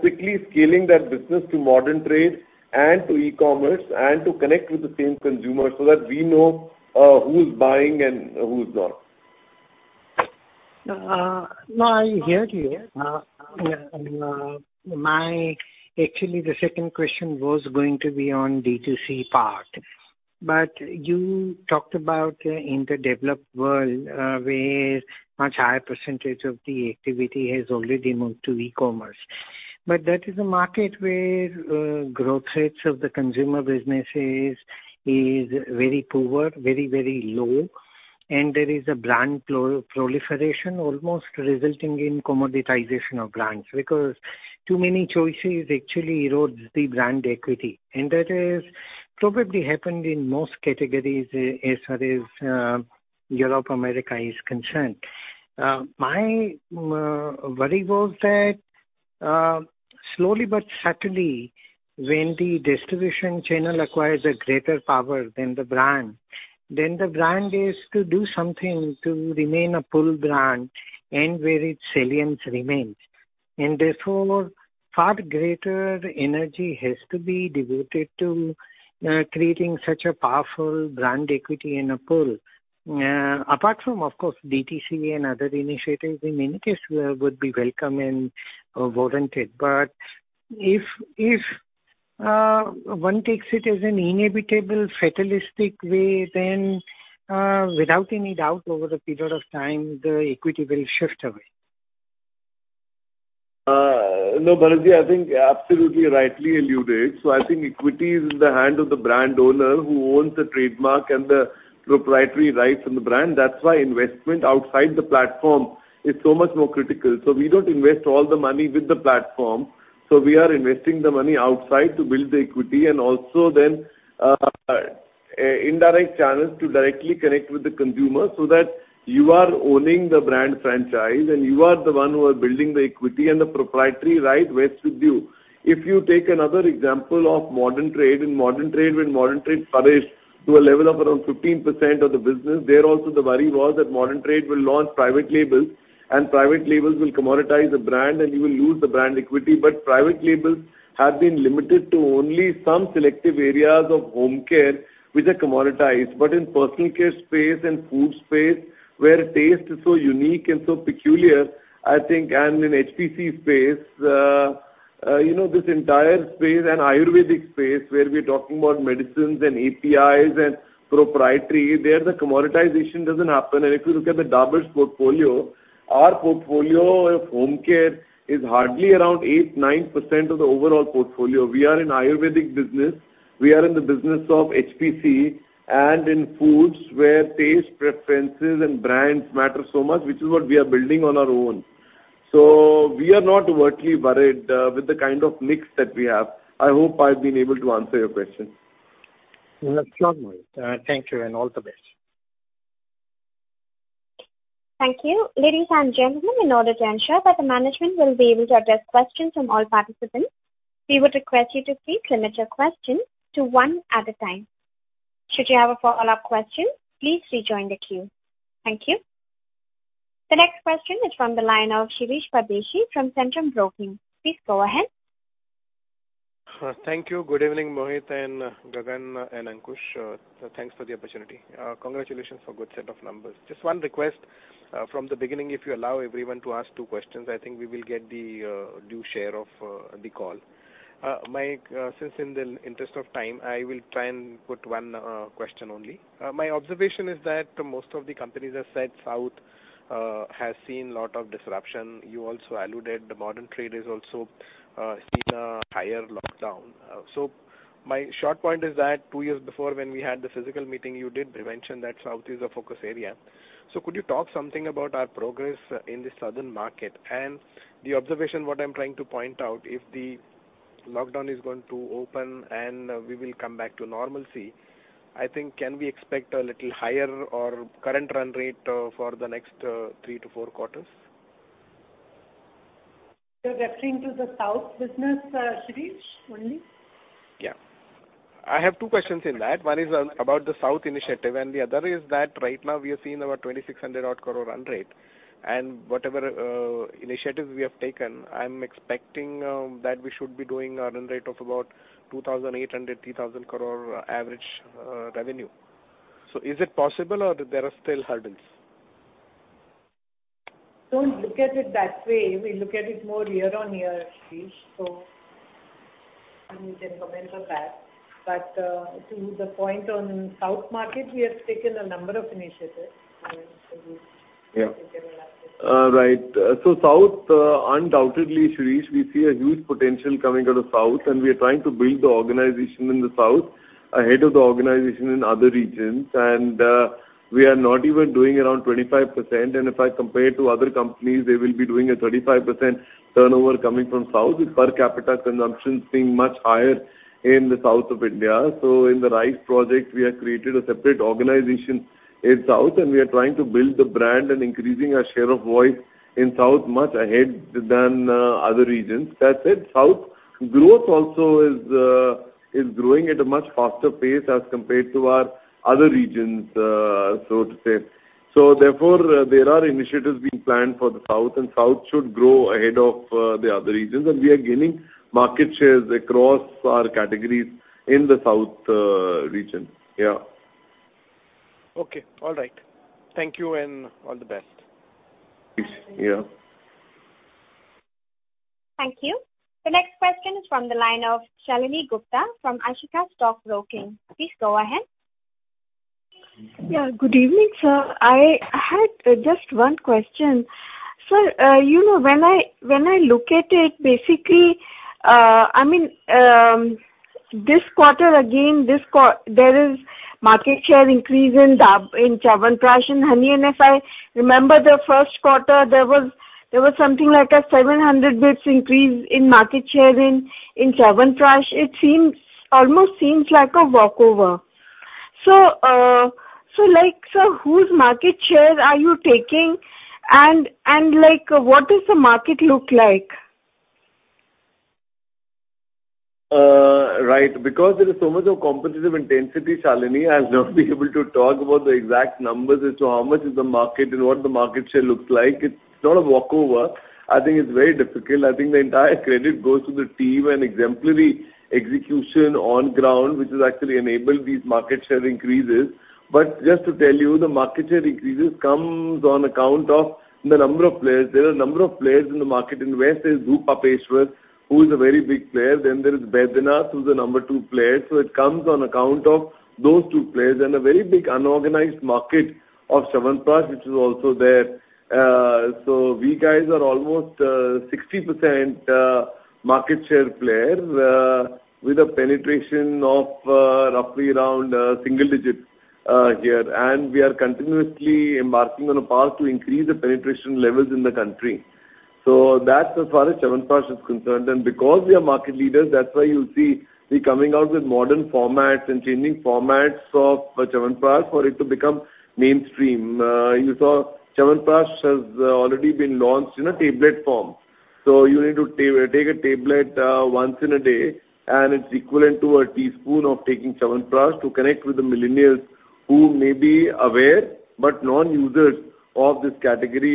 Quickly scaling that business to modern trade and to e-commerce and to connect with the same consumer so that we know who's buying and who's not. No, I hear you. Actually, the second question was going to be on D2C part. You talked about in the developed world, where much higher percentage of the activity has already moved to e-commerce. That is a market where growth rates of the consumer businesses is very poor, very low, and there is a brand proliferation almost resulting in commoditization of brands, because too many choices actually erodes the brand equity. That has probably happened in most categories as far as Europe, America is concerned. My worry was that slowly but subtly, when the distribution channel acquires a greater power than the brand, then the brand has to do something to remain a full brand and where its salience remains. Therefore, far greater energy has to be devoted to creating such a powerful brand equity and appeal. Apart from, of course, DTC and other initiatives, in many cases, would be welcome and warranted. If one takes it as an inevitable fatalistic way, then without any doubt, over a period of time, the equity will shift away. No, Bharat, I think absolutely rightly alluded. I think equity is in the hand of the brand owner who owns the trademark and the proprietary rights on the brand. That's why investment outside the platform is so much more critical. We don't invest all the money with the platform. We are investing the money outside to build the equity and also then indirect channels to directly connect with the consumer, so that you are owning the brand franchise and you are the one who are building the equity and the proprietary right rests with you. If you take another example of modern trade. In modern trade, when modern trade flourished to a level of around 15% of the business, there also the worry was that modern trade will launch private labels, and private labels will commoditize the brand, and you will lose the brand equity. Private labels have been limited to only some selective areas of home care, which are commoditized. In personal care space and food space, where taste is so unique and so peculiar, I think, and in HPC space, this entire space and Ayurvedic space, where we're talking about medicines and APIs and proprietary, there the commoditization doesn't happen. If you look at the Dabur's portfolio, our portfolio of home care is hardly around 8%, 9% of the overall portfolio. We are in Ayurvedic business, we are in the business of HPC and in foods where taste preferences and brands matter so much, which is what we are building on our own. We are not overtly worried with the kind of mix that we have. I hope I've been able to answer your question. No worries. Thank you, and all the best. Thank you. Ladies and gentlemen, in order to ensure that the management will be able to address questions from all participants, we would request you to please limit your questions to one at a time. Should you have a follow-up question, please rejoin the queue. Thank you. The next question is from the line of Shirish Pardeshi from Centrum Broking. Please go ahead. Thank you. Good evening, Mohit and Gagan and Ankush. Thanks for the opportunity. Congratulations for good set of numbers. Just one request. From the beginning, if you allow everyone to ask two questions, I think we will get the due share of the call. Since in the interest of time, I will try and put one question only. My observation is that most of the companies have said South has seen lot of disruption. You also alluded the modern trade has also seen a higher lockdown. My short point is that two years before when we had the physical meeting, you did mention that South is a focus area. Could you talk something about our progress in the Southern market? The observation, what I'm trying to point out, if the lockdown is going to open and we will come back to normalcy, I think can we expect a little higher or current run rate for the next three to four quarters? You're referring to the South business, Shirish, only? Yeah. I have two questions in that. One is about the South initiative. The other is that right now we are seeing about 2,600 odd crore run rate. Whatever initiatives we have taken, I'm expecting that we should be doing a run rate of about 2,800 crore, 3,000 crore average revenue. Is it possible or there are still hurdles? Don't look at it that way. We look at it more year-over-year, Shirish. Mohit can comment on that. To the point on South market, we have taken a number of initiatives, and Mohit can elaborate. Right. South, undoubtedly, Shirish, we see a huge potential coming out of South, and we are trying to build the organization in the South ahead of the organization in other regions. We are not even doing around 25%. If I compare to other companies, they will be doing a 35% turnover coming from South with per capita consumption seeing much higher in the south of India. In the RISE project, we have created a separate organization in South, and we are trying to build the brand and increasing our share of voice in South much ahead than other regions. That said, South growth also is growing at a much faster pace as compared to our other regions, so to say. Therefore, there are initiatives being planned for the South, and South should grow ahead of the other regions, and we are gaining market shares across our categories in the South region. Okay. All right. Thank you, and all the best. Yeah. Thank you. The next question is from the line of Shalini Gupta from Ashika Stock Broking. Please go ahead. Yeah, good evening, sir. I had just one question. Sir, when I look at it, basically, this quarter again, there is market share increase in Chyawanprash and Honey. If I remember the first quarter, there was something like a 700 basis points increase in market share in Chyawanprash. It almost seems like a walkover. Whose market share are you taking, and what does the market look like? Right. There is so much of competitive intensity, Shalini, I'll not be able to talk about the exact numbers as to how much is the market and what the market share looks like. It's not a walkover. I think it's very difficult. I think the entire credit goes to the team and exemplary execution on ground, which has actually enabled these market share increases. Just to tell you, the market share increases comes on account of the number of players. There are a number of players in the market. In the West, Dhootapapeshwar, who is a very big player. There is Baidyanath, who's the number two player. It comes on account of those two players, and a very big unorganized market of Chyawanprash, which is also there. We guys are almost a 60% market share player with a penetration of roughly around single digits here. We are continuously embarking on a path to increase the penetration levels in the country. That's as far as Chyawanprash is concerned. Because we are market leaders, that's why you see we're coming out with modern formats and changing formats of Chyawanprash for it to become mainstream. You saw Chyawanprash has already been launched in a tablet form. You need to take a tablet once in a day, and it's equivalent to a teaspoon of taking Chyawanprash to connect with the millennials who may be aware but non-users of this category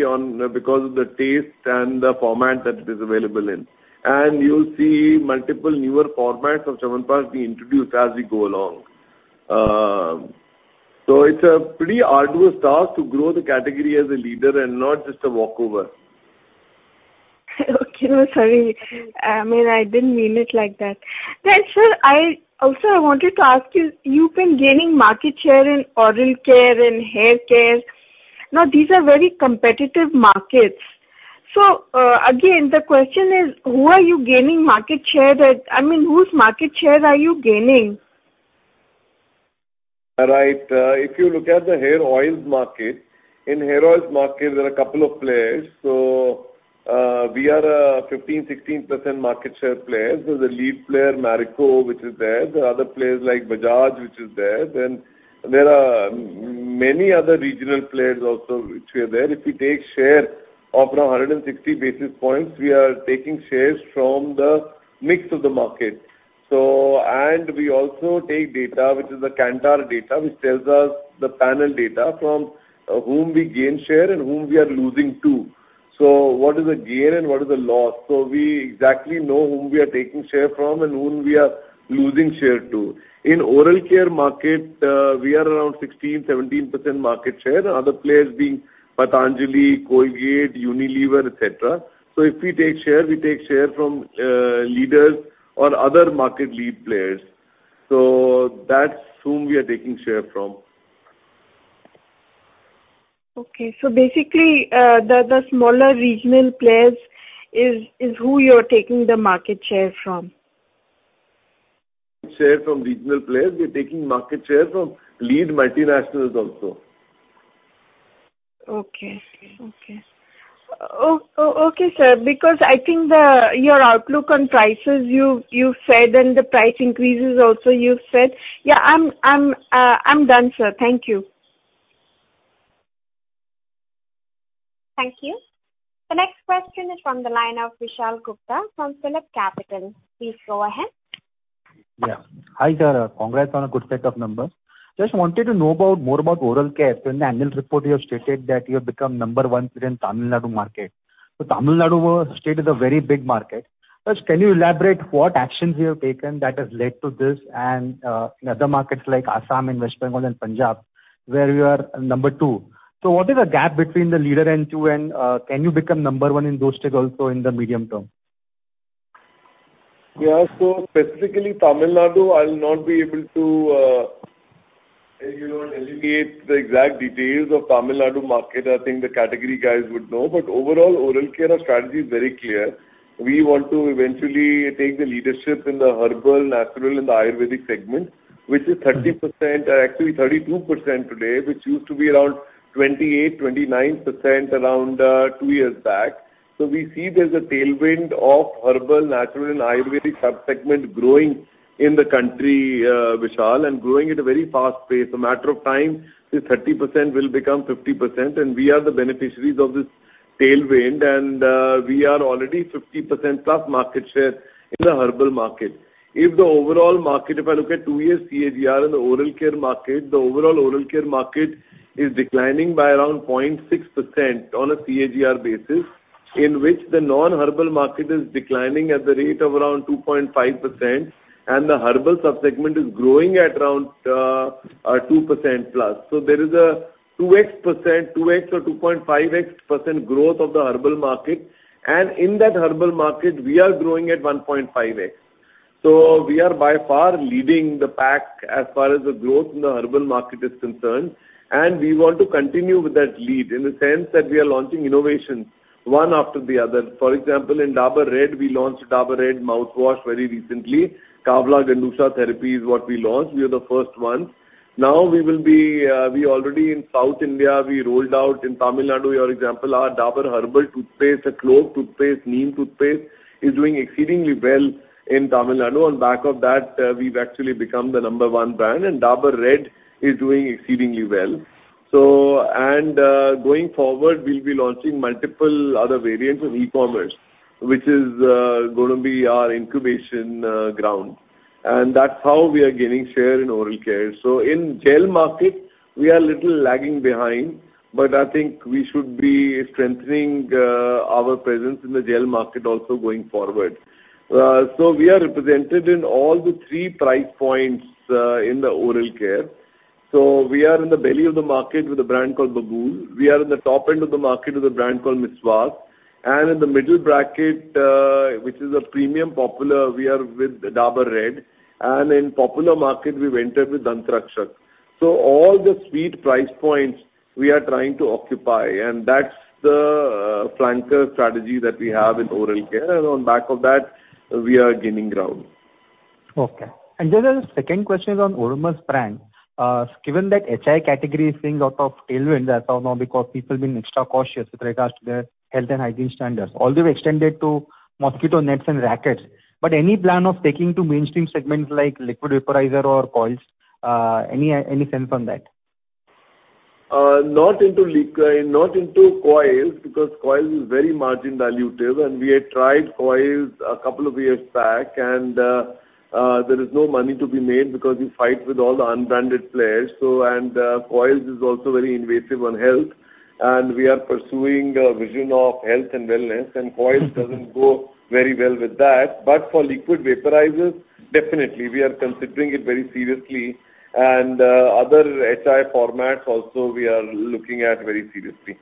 because of the taste and the format that it is available in. You'll see multiple newer formats of Chyawanprash being introduced as we go along. It's a pretty arduous task to grow the category as a leader and not just a walkover. Okay. No, sorry. I didn't mean it like that. Sir, also I wanted to ask you've been gaining market share in oral care and hair care. These are very competitive markets. Again, the question is, who are you gaining market share at? I mean, whose market share are you gaining? Right. If you look at the hair oils market, there are a couple of players. We are a 15%, 16% market share player. The lead player, Marico, which is there. There are other players like Bajaj, which is there. There are many other regional players also, which are there. If we take share of around 160 basis points, we are taking shares from the mix of the market. We also take data, which is the Kantar data, which tells us the panel data from whom we gain share and whom we are losing to. What is the gain and what is the loss? We exactly know whom we are taking share from and whom we are losing share to. In oral care market, we are around 16%, 17% market share, other players being Patanjali, Colgate, Unilever, et cetera. If we take share, we take share from leaders or other market lead players. That's whom we are taking share from. Okay. Basically, the smaller regional players is who you're taking the market share from. Share from regional players. We're taking market share from lead multinationals also. Okay. Okay, sir. I think your outlook on prices, you've said, and the price increases also you've said. Yeah, I'm done, sir. Thank you. Thank you. The next question is from the line of Vishal Gupta from Phillip Capital. Please go ahead. Yeah. Hi, sir. Congrats on a good set of numbers. Just wanted to know more about oral care. In the annual report, you have stated that you have become number one in Tamil Nadu market. Tamil Nadu state is a very big market. First, can you elaborate what actions you have taken that has led to this and in other markets like Assam and West Bengal and Punjab, where you are number two? What is the gap between the leader and you, and can you become number one in those states also in the medium-term? Yeah. Specifically Tamil Nadu, I'll not be able to illuminate the exact details of Tamil Nadu market. I think the category guys would know. Overall, oral care, our strategy is very clear. We want to eventually take the leadership in the herbal, natural, and the Ayurvedic segments, which is 30%, actually 32% today, which used to be around 28%, 29% around two years back. We see there's a tailwind of herbal, natural, and Ayurvedic sub-segment growing in the country, Vishal, and growing at a very fast pace. A matter of time, this 30% will become 50%, and we are the beneficiaries of this tailwind, and we are already 50%+ market share in the herbal market. If I look at two years CAGR in the oral care market, the overall oral care market is declining by around 0.6% on a CAGR basis, in which the non-herbal market is declining at the rate of around 2.5%, and the herbal sub-segment is growing at around 2%+. There is a 2x% or 2.5x% growth of the herbal market. In that herbal market, we are growing at 1.5x. We are by far leading the pack as far as the growth in the herbal market is concerned, and we want to continue with that lead in the sense that we are launching innovations one after the other. For example, in Dabur Red, we launched Dabur Red mouthwash very recently. Kavala Gandusha therapy is what we launched. We are the first ones. Now we already in South India, we rolled out in Tamil Nadu, your example, our Dabur Herbal toothpaste, clove toothpaste, neem toothpaste is doing exceedingly well in Tamil Nadu. On back of that, we've actually become the number 1 brand, and Dabur Red is doing exceedingly well. Going forward, we'll be launching multiple other variants on e-commerce, which is going to be our incubation ground, and that's how we are gaining share in oral care. In gel market, we are a little lagging behind, but I think we should be strengthening our presence in the gel market also going forward. We are represented in all the three price points in the oral care. We are in the belly of the market with a brand called Babool. We are in the top end of the market with a brand called Meswak. In the middle bracket, which is a premium popular, we are with Dabur Red. In popular market, we went in with Dant Rakshak. All the sweet price points we are trying to occupy, and that's the flanker strategy that we have in oral care. On back of that, we are gaining ground. Okay. The second question is on Odomos brand. Given that HI category is seeing lot of tailwind as of now, because people being extra cautious with regards to their health and hygiene standards, although extended to mosquito nets and rackets. Any plan of taking to mainstream segments like liquid vaporizer or coils? Any sense on that? Not into coils, because coils is very margin dilutive. We had tried coils a couple of years back, and there is no money to be made because you fight with all the unbranded players. Coils is also very invasive on health, and we are pursuing a vision of health and wellness, and coils doesn't go very well with that. For liquid vaporizers, definitely, we are considering it very seriously. Other HI formats also, we are looking at very seriously.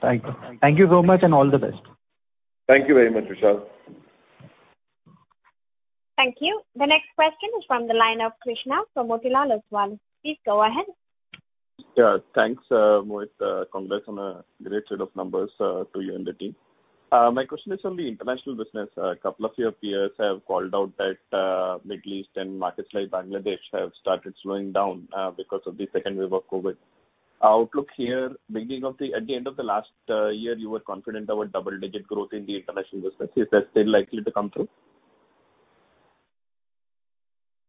Thank you. Thank you so much, and all the best. Thank you very much, Vishal. Thank you. The next question is from the line of Krishnan from Motilal Oswal. Please go ahead. Yeah, thanks, Mohit. Congrats on a great set of numbers to you and the team. My question is on the international business. A couple of your peers have called out that Middle East and markets like Bangladesh have started slowing down because of the second wave of COVID. Outlook here, at the end of the last year, you were confident about double-digit growth in the international business. Is that still likely to come through?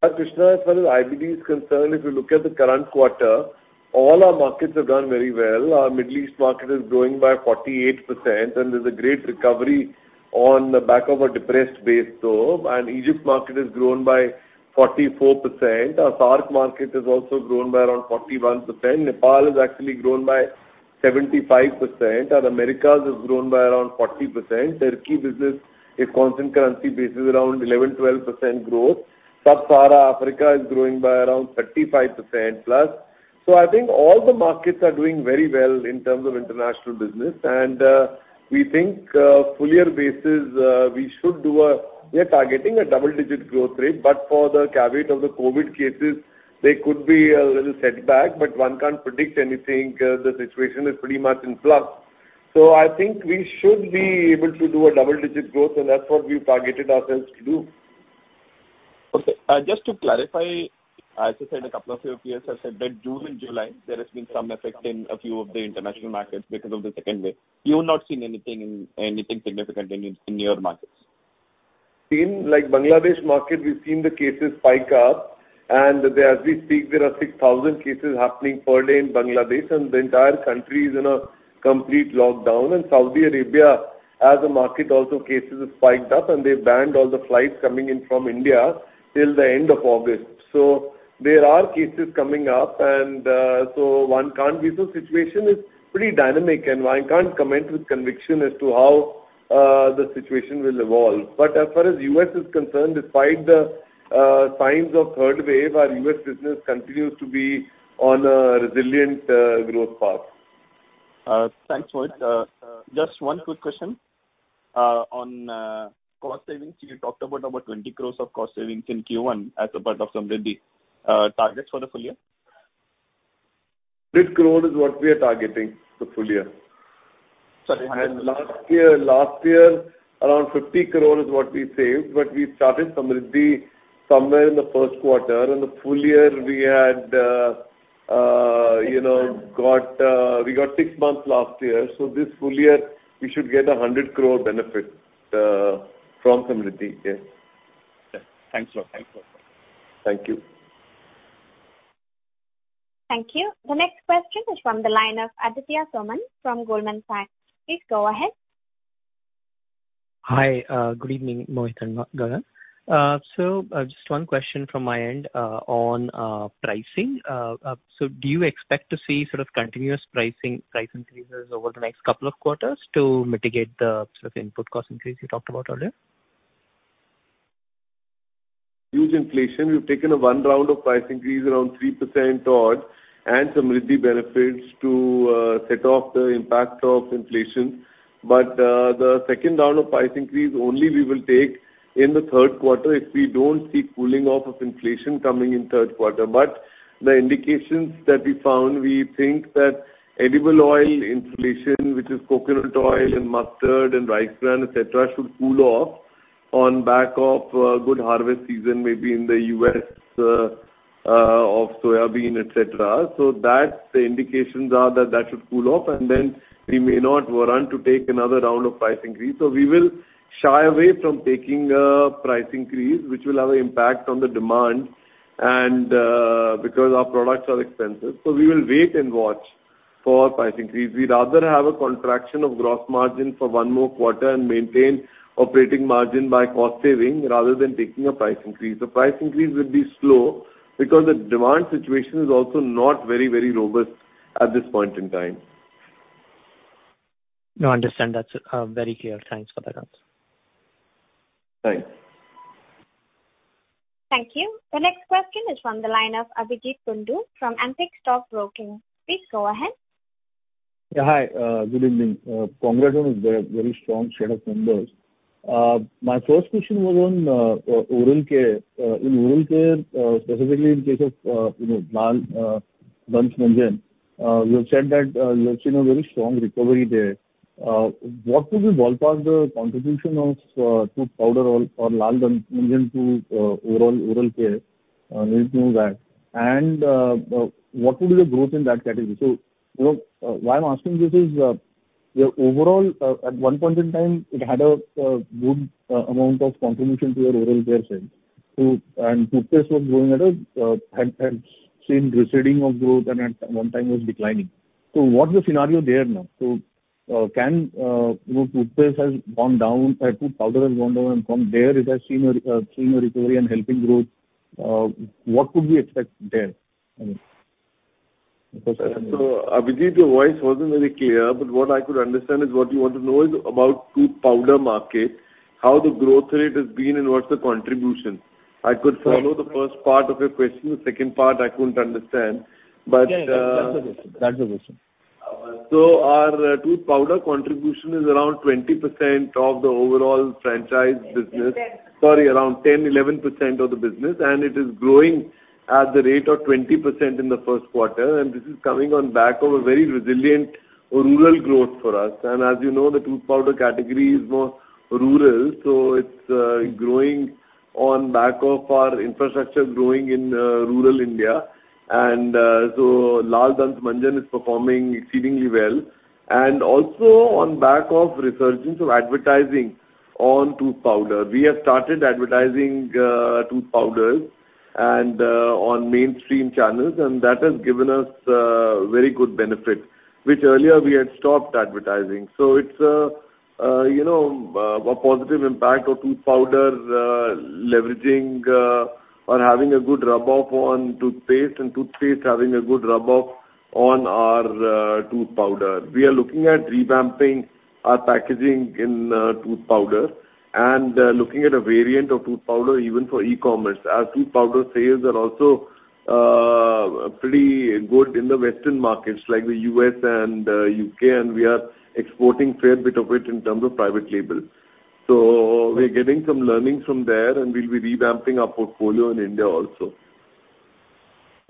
Krishnan, as far as IBD is concerned, if you look at the current quarter, all our markets have done very well. There's a great recovery on the back of a depressed base, though. Egypt market has grown by 44%. Our SAARC market has also grown by around 41%. Nepal has actually grown by 75%, and Americas has grown by around 40%. Turkey business, if constant currency basis, around 11%, 12% growth. Sub-Saharan Africa is growing by around 35%+. I think all the markets are doing very well in terms of international business. We think full year basis, we are targeting a double-digit growth rate, but for the caveat of the COVID cases, there could be a little setback, but one can't predict anything. The situation is pretty much in flux. I think we should be able to do a double-digit growth, and that's what we've targeted ourselves to do. Okay. Just to clarify, as I said, a couple of your peers have said that June and July, there has been some effect in a few of the international markets because of the second wave. You've not seen anything significant in your markets? In Bangladesh market, we've seen the cases spike up and as we speak, there are 6,000 cases happening per day in Bangladesh and the entire country is in a complete lockdown. Saudi Arabia, as a market also, cases have spiked up, and they've banned all the flights coming in from India till the end of August. There are cases coming up. Situation is pretty dynamic and one can't comment with conviction as to how the situation will evolve. As far as U.S. is concerned, despite the signs of third wave, our U.S. business continues to be on a resilient growth path. Thanks, Mohit. Just one quick question. On cost savings, you talked about over 20 crores of cost savings in Q1 as a part of Samriddhi. Targets for the full year? 100 crore is what we are targeting for full year. Sorry, how much? Last year, around 50 crore is what we saved, but we started Samriddhi somewhere in the first quarter. The full year, we got six months last year. This full year, we should get 100 crore benefit from Samriddhi. Yes. Thanks a lot. Thank you. Thank you. The next question is from the line of Aditya Soman from Goldman Sachs. Please go ahead. Hi. Good evening, Mohit and Gagan. Just one question from my end on pricing. Do you expect to see sort of continuous price increases over the next couple of quarters to mitigate the sort of input cost increase you talked about earlier? Huge inflation. We've taken one round of price increase, around 3% odd, and Samriddhi benefits to set off the impact of inflation. The second round of price increase only we will take in the third quarter if we don't see cooling off of inflation coming in third quarter. The indications that we found, we think that edible oil inflation, which is coconut oil and mustard and rice bran, et cetera, should cool off on back of a good harvest season, maybe in the U.S., of soybean, et cetera. The indications are that that should cool off, and then we may not warrant to take another round of price increase. We will shy away from taking a price increase, which will have an impact on the demand and because our products are expensive. We will wait and watch for price increase. We'd rather have a contraction of gross margin for one more quarter and maintain operating margin by cost saving rather than taking a price increase. The price increase will be slow because the demand situation is also not very robust at this point in time. No, understand. That's very clear. Thanks for the answer. Thanks. Thank you. The next question is from the line of Abhijeet Kundu from Antique Stock Broking. Please go ahead. Yeah. Hi. Good evening. Congrats on a very strong set of numbers. My first question was on oral care. In oral care, specifically in case of Lal Dant Manjan, you have said that you have seen a very strong recovery there. What could be ballpark contribution of tooth powder or Lal Dant Manjan to overall oral care? Need to know that. What would be the growth in that category? Why I'm asking this is, your overall, at one point in time, it had a good amount of contribution to your oral care sales. Toothpaste had seen receding of growth and at one time was declining. What's the scenario there now? Toothpaste powder has gone down and from there, it has seen a recovery and helping growth. What could we expect there? Abhijeet Kundu, your voice wasn't very clear, but what I could understand is what you want to know is about tooth powder market, how the growth rate has been, and what's the contribution. I could follow the first part of your question. The second part I couldn't understand. Yeah, that's the question. Our tooth powder contribution is around 20% of the overall franchise business. Sorry, around 10%, 11% of the business, and it is growing at the rate of 20% in the first quarter. This is coming on back of a very resilient rural growth for us. As you know, the tooth powder category is more rural, so it's growing on back of our infrastructure growing in rural India. Lal Dant Manjan is performing exceedingly well. Also on back of resurgence of advertising on tooth powder. We have started advertising tooth powders on mainstream channels, and that has given us very good benefits, which earlier we had stopped advertising. It's a positive impact of tooth powder leveraging, or having a good rub-off on toothpaste, and toothpaste having a good rub-off on our tooth powder. We are looking at revamping our packaging in tooth powder and looking at a variant of tooth powder even for e-commerce, as tooth powder sales are also pretty good in the Western markets like the U.S. and U.K., and we are exporting fair bit of it in terms of private label. We're getting some learnings from there, and we'll be revamping our portfolio in India also.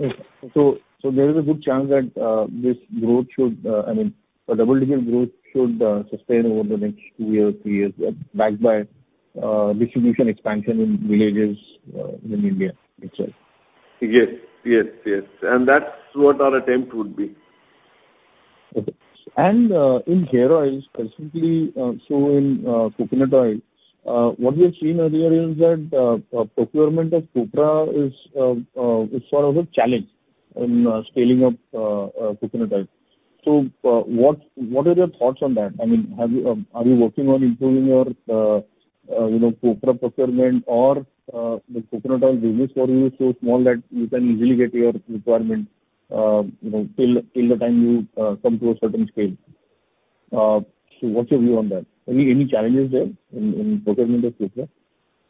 Okay. There is a good chance that this growth should, I mean, the double-digit growth should sustain over the next two years, three years, backed by distribution expansion in villages in India itself. Yes. That's what our attempt would be. Okay. In hair oils, specifically, so in coconut oil, what we have seen earlier is that procurement of copra is sort of a challenge in scaling up coconut oil. What are your thoughts on that? I mean, are you working on improving your copra procurement, or the coconut oil business for you is so small that you can easily get your requirement till the time you come to a certain scale? What's your view on that? Any challenges there in procurement of copra?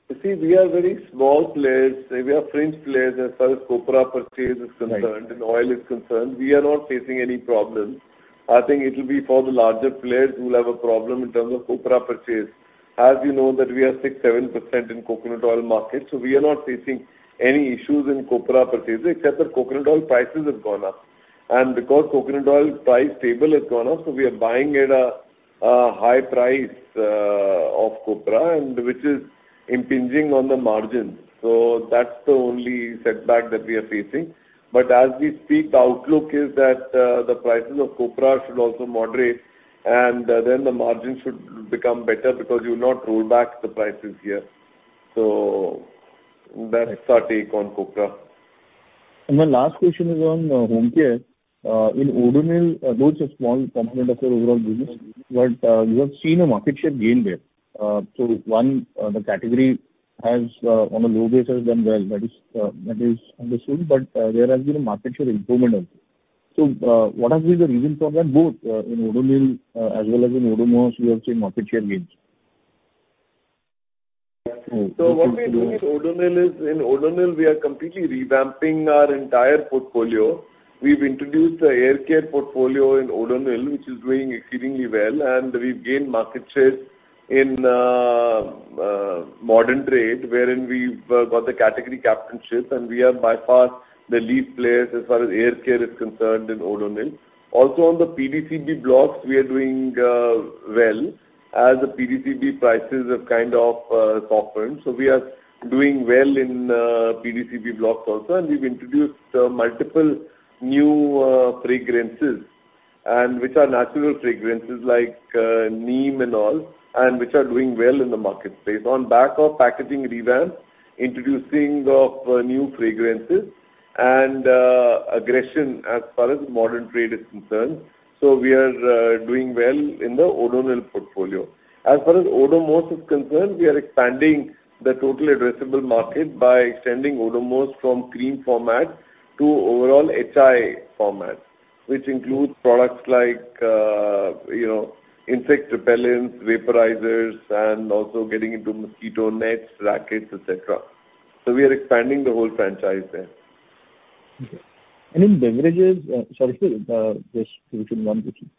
You see, we are very small players. We are fringe players as far as copra purchase is concerned and oil is concerned. We are not facing any problems. I think it will be for the larger players who will have a problem in terms of copra purchase. As you know that we are 6%, 7% in coconut oil market, so we are not facing any issues in copra purchase except that coconut oil prices have gone up. Because coconut oil price level has gone up, so we are buying at a high price of copra, and which is impinging on the margins. That's the only setback that we are facing. As we speak, the outlook is that the prices of copra should also moderate, and then the margins should become better because you'll not roll back the prices here. That's our take on copra. My last question is on Home Care. In Odonil, though it's a small component of your overall business, but you have seen a market share gain there. One, the category has on a low base done well, that is understood, but there has been a market share improvement also. What has been the reason for that, both in Odonil as well as in Odomos, we have seen market share gains? What we are doing with Odonil is, in Odonil we are completely revamping our entire portfolio. We've introduced the air care portfolio in Odonil, which is doing exceedingly well, and we've gained market share in modern trade, wherein we've got the category captainship, and we have bypassed the lead players as far as air care is concerned in Odonil. Also on the PDCB blocks, we are doing well, as the PDCB prices have kind of softened. We are doing well in PDCB blocks also, and we've introduced multiple new fragrances, which are natural fragrances like neem and all, and which are doing well in the market space on back of packaging revamp, introducing of new fragrances, and aggression as far as modern trade is concerned. We are doing well in the Odonil portfolio. As far as Odomos is concerned, we are expanding the total addressable market by extending Odomos from cream format to overall HI format, which includes products like insect repellents, vaporizers, and also getting into mosquito nets, rackets, et cetera. We are expanding the whole franchise there. Okay. In beverages, sorry, sir, just one question.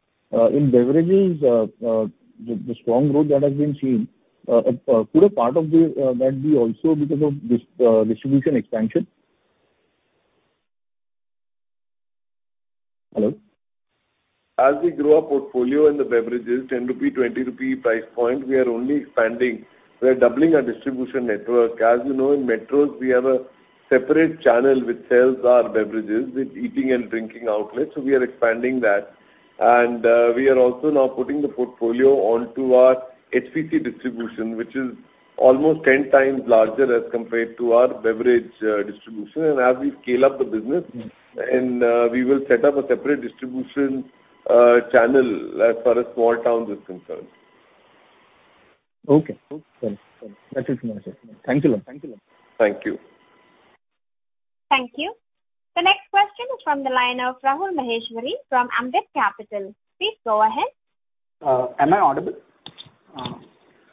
In beverages, the strong growth that has been seen, could a part of that be also because of distribution expansion? Hello? As we grow our portfolio in the beverages, 10 rupee, 20 rupee price point, we are only expanding. We're doubling our distribution network. As you know, in metros, we have a separate channel which sells our beverages with eating and drinking outlets. We are expanding that. We are also now putting the portfolio onto our HPC distribution, which is almost 10x larger as compared to our beverage distribution. As we scale up the business, and we will set up a separate distribution channel as far as small towns is concerned. Okay. That is my last question. Thank you. Thank you. Thank you. The next question is from the line of Rahul Maheshwari from Ambit Capital. Please go ahead. Am I audible?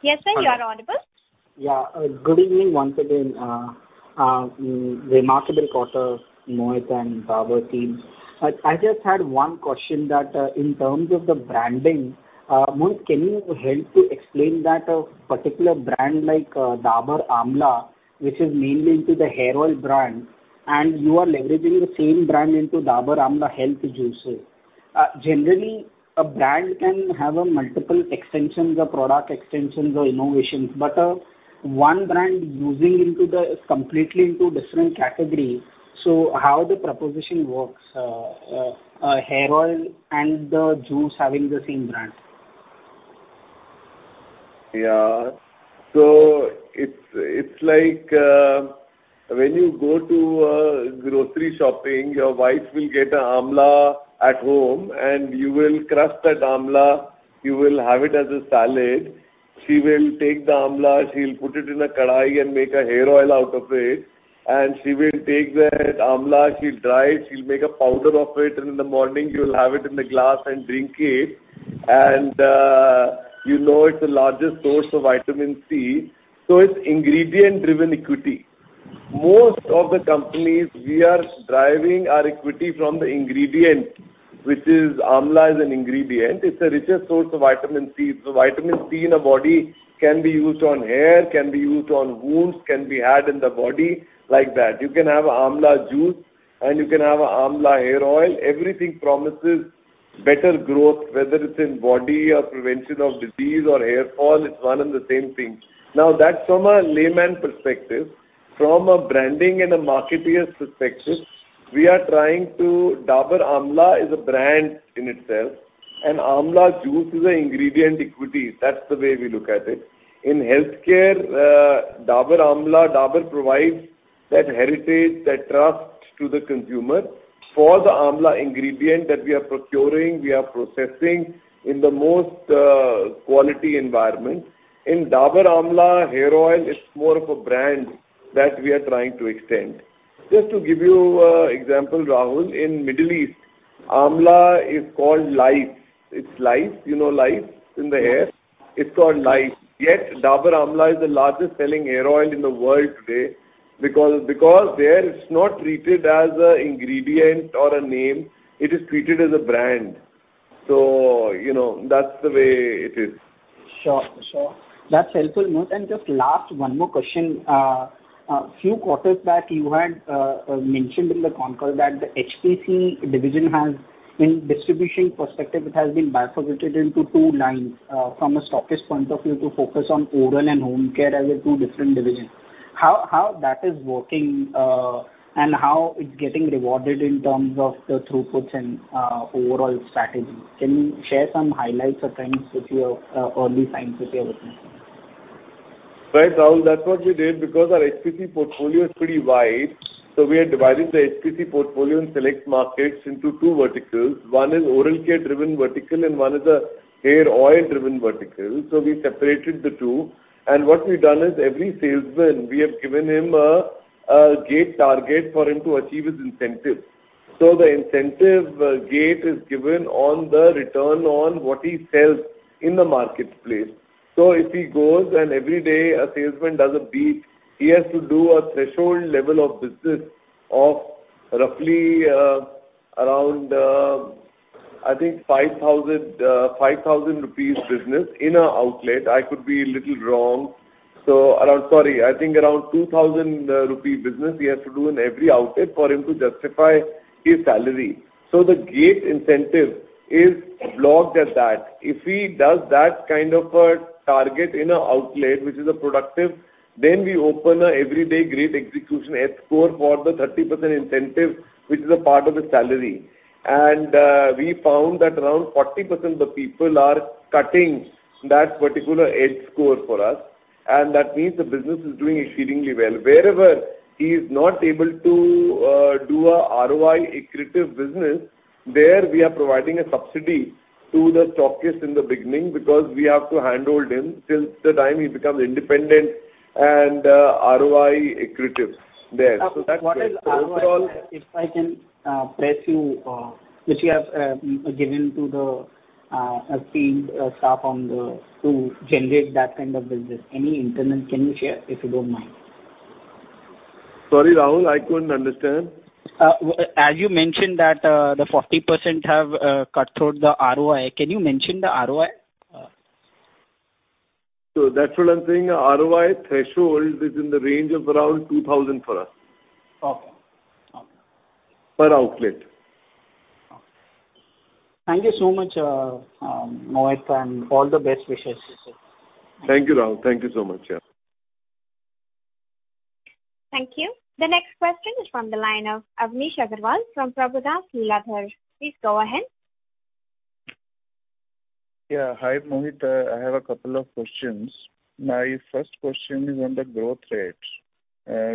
Yes, sir, you are audible. Yeah. Good evening once again. Remarkable quarter, Mohit and Dabur team. I just had one question that in terms of the branding, Mohit, can you help to explain that a particular brand like Dabur Amla, which is mainly into the hair oil brand, and you are leveraging the same brand into Dabur Amla health juices. Generally, a brand can have multiple extensions or product extensions or innovations, but one brand moving completely into different category. How the proposition works, a hair oil and the juice having the same brand? Yeah. It's like when you go to grocery shopping, your wife will get an Amla at home and you will crush that Amla, you will have it as a salad. She will take the Amla, she'll put it in a Kadhai and make a hair oil out of it, and she will take that Amla, she'll dry it, she'll make a powder of it, and in the morning, you'll have it in the glass and drink it. You know it's the largest source of vitamin C, so it's ingredient-driven equity. Most of the companies, we are driving our equity from the ingredient. Amla is an ingredient. It's the richest source of vitamin C. Vitamin C in a body can be used on hair, can be used on wounds, can be had in the body, like that. You can have amla juice and you can have amla hair oil. Everything promises better growth, whether it's in body or prevention of disease or hair fall, it's one and the same thing. That's from a layman perspective. From a branding and a marketer perspective, Dabur Amla is a brand in itself, and Amla juice is an ingredient equity. That's the way we look at it. In healthcare, Dabur Amla, Dabur provides that heritage, that trust to the consumer for the Amla ingredient that we are procuring, we are processing in the most quality environment. In Dabur Amla hair oil, it's more of a brand that we are trying to extend. Just to give you an example, Rahul, in Middle East, amla is called lice. It's lice. You know lice in the hair? It's called lice. Yet Dabur Amla is the largest selling hair oil in the world today because there, it's not treated as an ingredient or a name. It is treated as a brand. That's the way it is. Sure. That's helpful, Mohit. Just last one more question. A few quarters back, you had mentioned in the concall that the HPC division has, in distribution perspective, it has been bifurcated into two lines, from a stockist point of view, to focus on oral and home care as two different divisions. How that is working, and how it's getting rewarded in terms of the throughputs and overall strategy? Can you share some highlights or trends which you have, early signs which you have observed? Right, Rahul, that's what we did because our HPC portfolio is pretty wide. We had divided the HPC portfolio in select markets into two verticals. one is oral care-driven vertical, and one is a hair oil-driven vertical. We separated the two, and what we've done is every salesman, we have given him a gate target for him to achieve his incentive. The incentive gate is given on the return on what he sells in the marketplace. If he goes and every day a salesman does a beat, he has to do a threshold level of business of roughly around, I think 5,000 business in an outlet. I could be little wrong. Sorry. I think around 2,000 rupee business he has to do in every outlet for him to justify his salary. The gate incentive is blocked at that. If he does that kind of a target in an outlet which is productive, then we open an Everyday Great Execution EDGE score for the 30% incentive, which is a part of the salary. We found that around 40% of the people are cutting that particular edge score for us, and that means the business is doing exceedingly well. Wherever he's not able to do a ROI accretive business, there we are providing a subsidy to the stockist in the beginning because we have to handhold him till the time he becomes independent and ROI accretive there. That's it. If I can press you, which you have given to the field staff to generate that kind of business. Any increment can you share, if you don't mind? Sorry, Rahul, I couldn't understand. As you mentioned that the 40% have cutthroat the ROI. Can you mention the ROI? That's what I'm saying, ROI threshold is in the range of around 2,000 for us. Okay. Per outlet. Thank you so much, Mohit, and all the best wishes to you. Thank you, Rahul. Thank you so much. Yeah. Thank you. The next question is from the line of Amnish Aggarwal from Prabhudas Lilladher. Please go ahead. Hi, Mohit. I have a couple of questions. My first question is on the growth rate.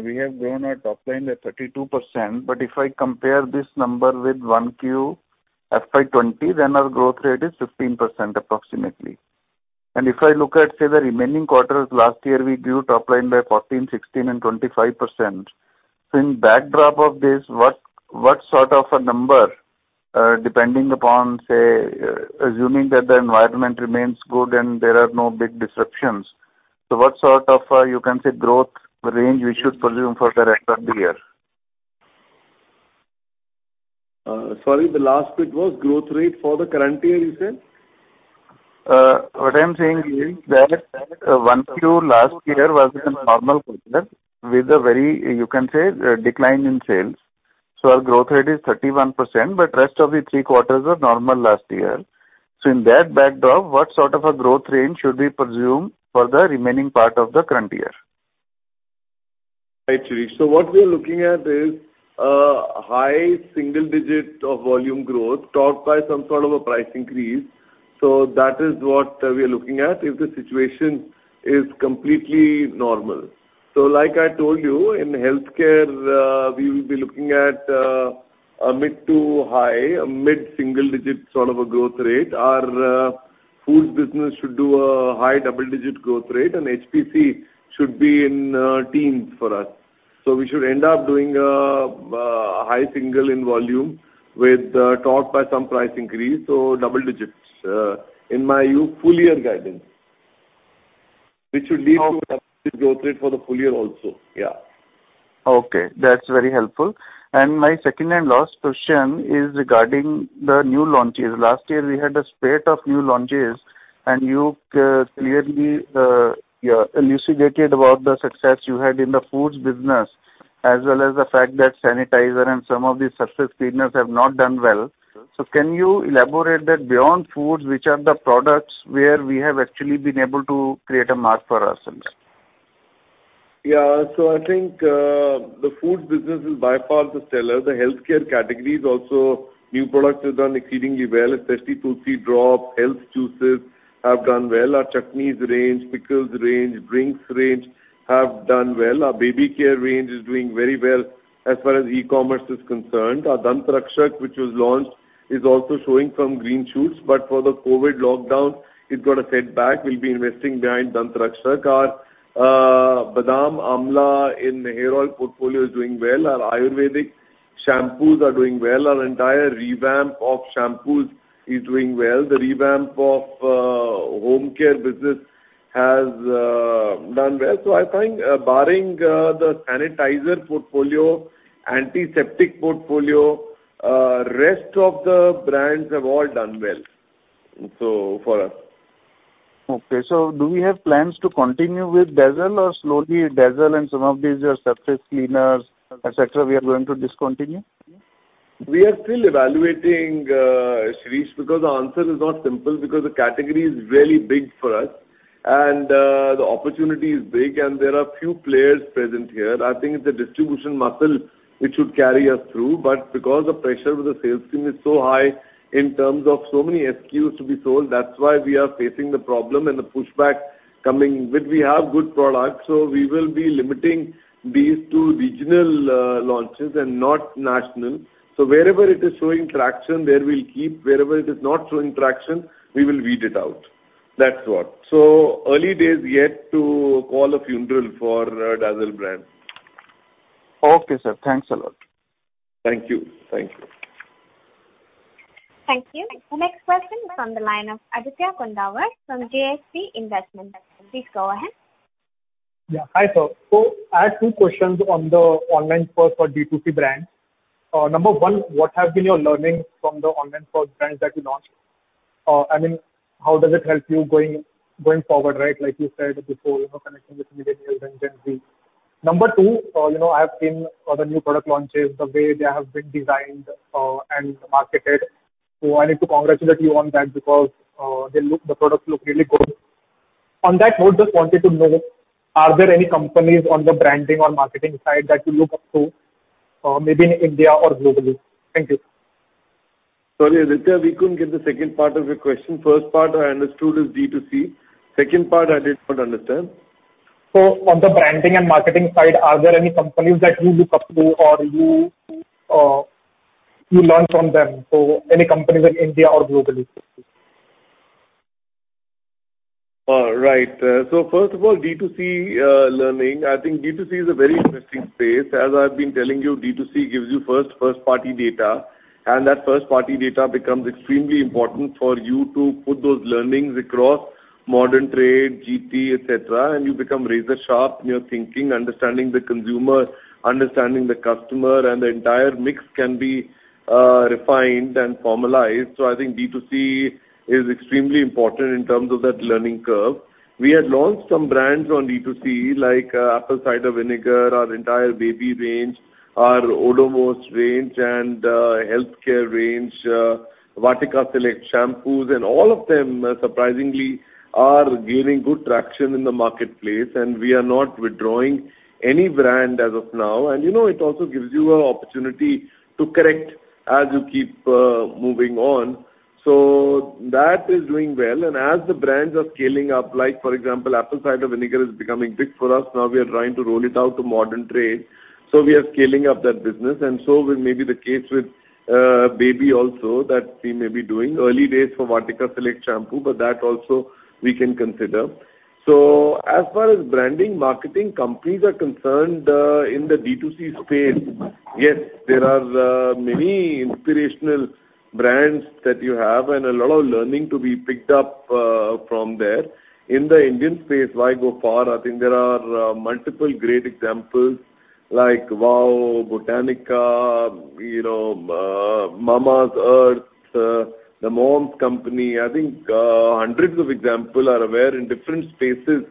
We have grown our top line at 32%, but if I compare this number with 1Q FY 2020, then our growth rate is 15% approximately. If I look at, say, the remaining quarters last year, we grew top line by 14%, 16% and 25%. In backdrop of this, what sort of a number, depending upon, say, assuming that the environment remains good and there are no big disruptions, what sort of, you can say, growth range we should presume for the rest of the year? Sorry, the last bit was growth rate for the current year, you said? What I'm saying is that 1Q last year was in normal quarter with a very, you can say, decline in sales. Our growth rate is 31%, but rest of the three quarters were normal last year. In that backdrop, what sort of a growth range should we presume for the remaining part of the current year? Right, Shirish. What we're looking at is a high single-digit of volume growth topped by some sort of a price increase. That is what we are looking at if the situation is completely normal. Like I told you, in healthcare, we will be looking at a mid to high mid-digit sort of a growth rate. Our foods business should do a high double-digit growth rate, and HPC should be in teens for us. We should end up doing a high single-digit in volume with topped by some price increase, so double-digits. In my view, full year guidance, which should lead to growth rate for the full year also. Okay, that's very helpful. My second and last question is regarding the new launches. Last year, we had a spate of new launches, and you clearly elucidated about the success you had in the foods business, as well as the fact that sanitizer and some of the surface cleaners have not done well. Yes. Can you elaborate that beyond foods, which are the products where we have actually been able to create a mark for ourselves? I think, the foods business is by far the seller. The healthcare categories also, new products have done exceedingly well, especially Tulsi Drops, health juices have done well. Our chutneys range, pickles range, drinks range have done well. Our baby care range is doing very well as far as e-commerce is concerned. Our Dant Rakshak, which was launched, is also showing some green shoots, but for the COVID lockdown, it got a setback. We will be investing behind Dant Rakshak. Our Badam Amla in the hair oil portfolio is doing well. Our Ayurvedic shampoos are doing well. Our entire revamp of shampoos is doing well. The revamp of home care business has done well. I think barring the sanitizer portfolio, antiseptic portfolio, rest of the brands have all done well for us. Okay. Do we have plans to continue with Dazzl or slowly Dazzl and some of these surface cleaners, et cetera, we are going to discontinue? We are still evaluating, Shirish, because the answer is not simple, because the category is really big for us and the opportunity is big, and there are few players present here. I think it's the distribution muscle which should carry us through. Because the pressure with the sales team is so high in terms of so many SKUs to be sold, that's why we are facing the problem and the pushback coming. We have good products, so we will be limiting these to regional launches and not national. Wherever it is showing traction, there we'll keep. Wherever it is not showing traction, we will weed it out. That's what. Early days yet to call a funeral for Dazzl brand. Okay, sir. Thanks a lot. Thank you. Thank you. The next question is on the line of Aditya Kondawar from JST Investments. Please go ahead. Yeah. Hi, sir. I had two questions on the online first for D2C brands. Number one, what have been your learnings from the online first brands that you launched? I mean, how does it help you going forward, right? Like you said before, connecting with millennials and Gen Z. Number two, I have seen the new product launches, the way they have been designed and marketed. I need to congratulate you on that because the products look really good. On that note, just wanted to know, are there any companies on the branding or marketing side that you look up to maybe in India or globally? Thank you. Sorry, Aditya, we couldn't get the second part of your question. First part I understood is D2C. Second part I did not understand. On the branding and marketing side, are there any companies that you look up to or you learn from them? Any companies in India or globally? Right. First of all, D2C learning. I think D2C is a very interesting space. As I've been telling you, D2C gives you first-party data, and that first-party data becomes extremely important for you to put those learnings across modern trade, GT, et cetera, and you become razor sharp in your thinking, understanding the consumer, understanding the customer, and the entire mix can be refined and formalized. I think D2C is extremely important in terms of that learning curve. We had launched some brands on D2C, like apple cider vinegar, our entire baby range, our Odomos range, and healthcare range, Vatika Select shampoos, and all of them surprisingly are gaining good traction in the marketplace, and we are not withdrawing any brand as of now. It also gives you an opportunity to correct as you keep moving on. That is doing well. As the brands are scaling up, like for example, apple cider vinegar is becoming big for us. Now we are trying to roll it out to modern trade. We are scaling up that business. May be the case with baby also that we may be doing. Early days for Vatika Select shampoo, but that also we can consider. As far as branding marketing companies are concerned, in the D2C space, yes, there are many inspirational brands that you have and a lot of learning to be picked up from there. In the Indian space, why go far? I think there are multiple great examples like WOW, Botanica, Mamaearth, The Moms Company. I think hundreds of examples are aware in different spaces,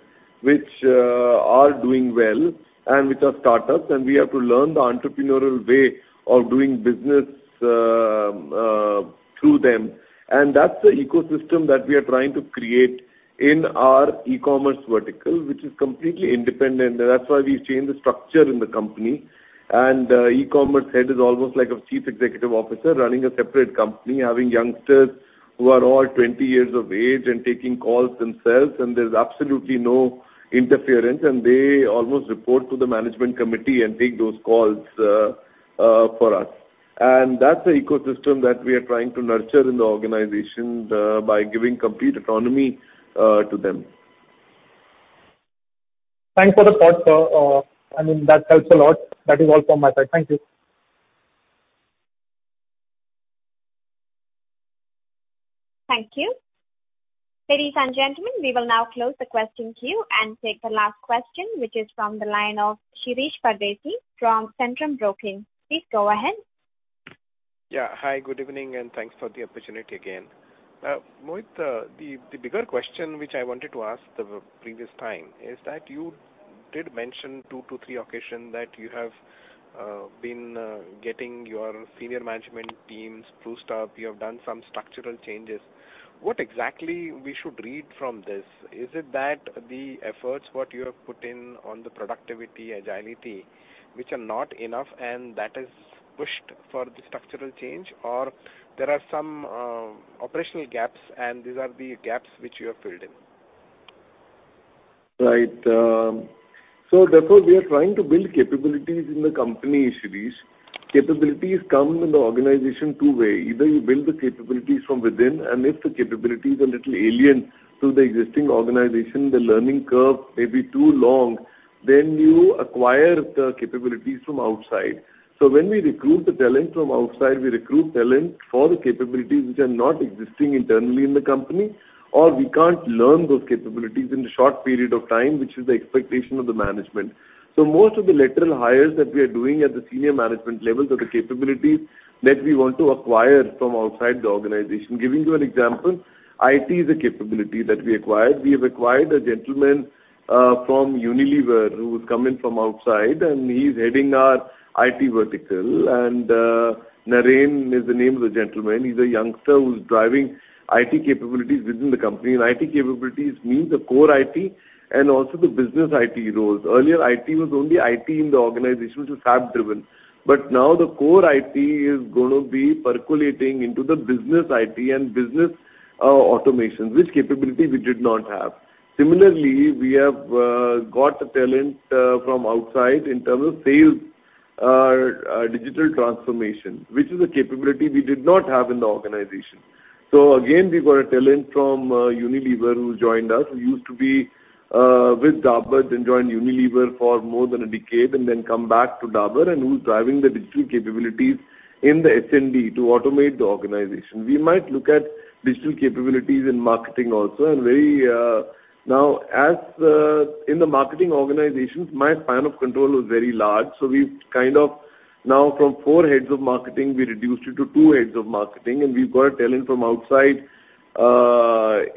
which are doing well and which are startups, and we have to learn the entrepreneurial way of doing business through them. That's the ecosystem that we are trying to create in our e-commerce vertical, which is completely independent. That's why we've changed the structure in the company. The e-commerce head is almost like a Chief Executive Officer running a separate company, having youngsters who are all 20 years of age and taking calls themselves. There's absolutely no interference. They almost report to the management committee and take those calls for us. That's the ecosystem that we are trying to nurture in the organization by giving complete autonomy to them. Thanks for the thought, sir. That helps a lot. That is all from my side. Thank you. Thank you. Ladies and gentlemen, we will now close the question queue and take the last question, which is from the line of Shirish Pardeshi from Centrum Broking. Please go ahead. Yeah. Hi, good evening, and thanks for the opportunity again. Mohit, the bigger question, which I wanted to ask the previous time, is that you did mention two to three occasions that you have been getting your senior management teams spruced up. You have done some structural changes. What exactly we should read from this? Is it that the efforts what you have put in on the productivity, agility, which are not enough and that is pushed for the structural change? There are some operational gaps, and these are the gaps which you have filled in? Right. Therefore, we are trying to build capabilities in the company, Shirish. Capabilities come in the organization two way. Either you build the capabilities from within, and if the capabilities are little alien to the existing organization, the learning curve may be too long. You acquire the capabilities from outside. When we recruit the talent from outside, we recruit talent for the capabilities which are not existing internally in the company, or we can't learn those capabilities in a short period of time, which is the expectation of the management. Most of the lateral hires that we are doing at the senior management level are the capabilities that we want to acquire from outside the organization. Giving you an example, IT is a capability that we acquired. We have acquired a gentleman from Unilever who has come in from outside, and he's heading our IT vertical. Naren is the name of the gentleman. He's a youngster who's driving IT capabilities within the company. IT capabilities means the core IT and also the business IT roles. Earlier, IT was only IT in the organization, which was SAP driven. Now the core IT is going to be percolating into the business IT and business automation, which capability we did not have. Similarly, we have got talent from outside in terms of sales, digital transformation, which is a capability we did not have in the organization. Again, we got a talent from Unilever who joined us, who used to be with Dabur, then joined Unilever for more than a decade, and then come back to Dabur, and who's driving the digital capabilities in the S&D to automate the organization. We might look at digital capabilities in marketing also. As in the marketing organizations, my span of control was very large. We've kind of now from four heads of marketing, we reduced it to two heads of marketing, and we've got a talent from outside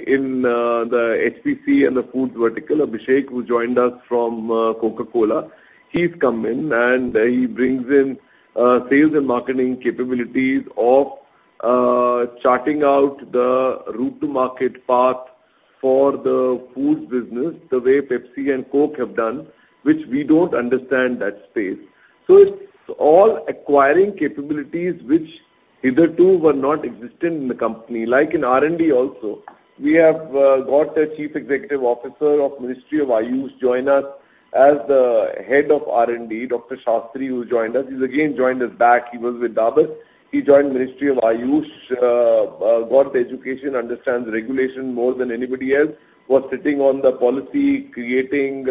in the HPC and the foods vertical, Abhishek, who joined us from Coca-Cola. He's come in, and he brings in sales and marketing capabilities of charting out the route to market path for the foods business, the way Pepsi and Coke have done, which we don't understand that space. It's all acquiring capabilities which hitherto were not existent in the company. In R&D also, we have got a Chief Executive Officer of Ministry of Ayush join us as the Head of R&D, Dr. Sastry, who joined us. He's again joined us back. He was with Dabur. He joined Ministry of Ayush, got the education, understands regulation more than anybody else, was sitting on the policy creating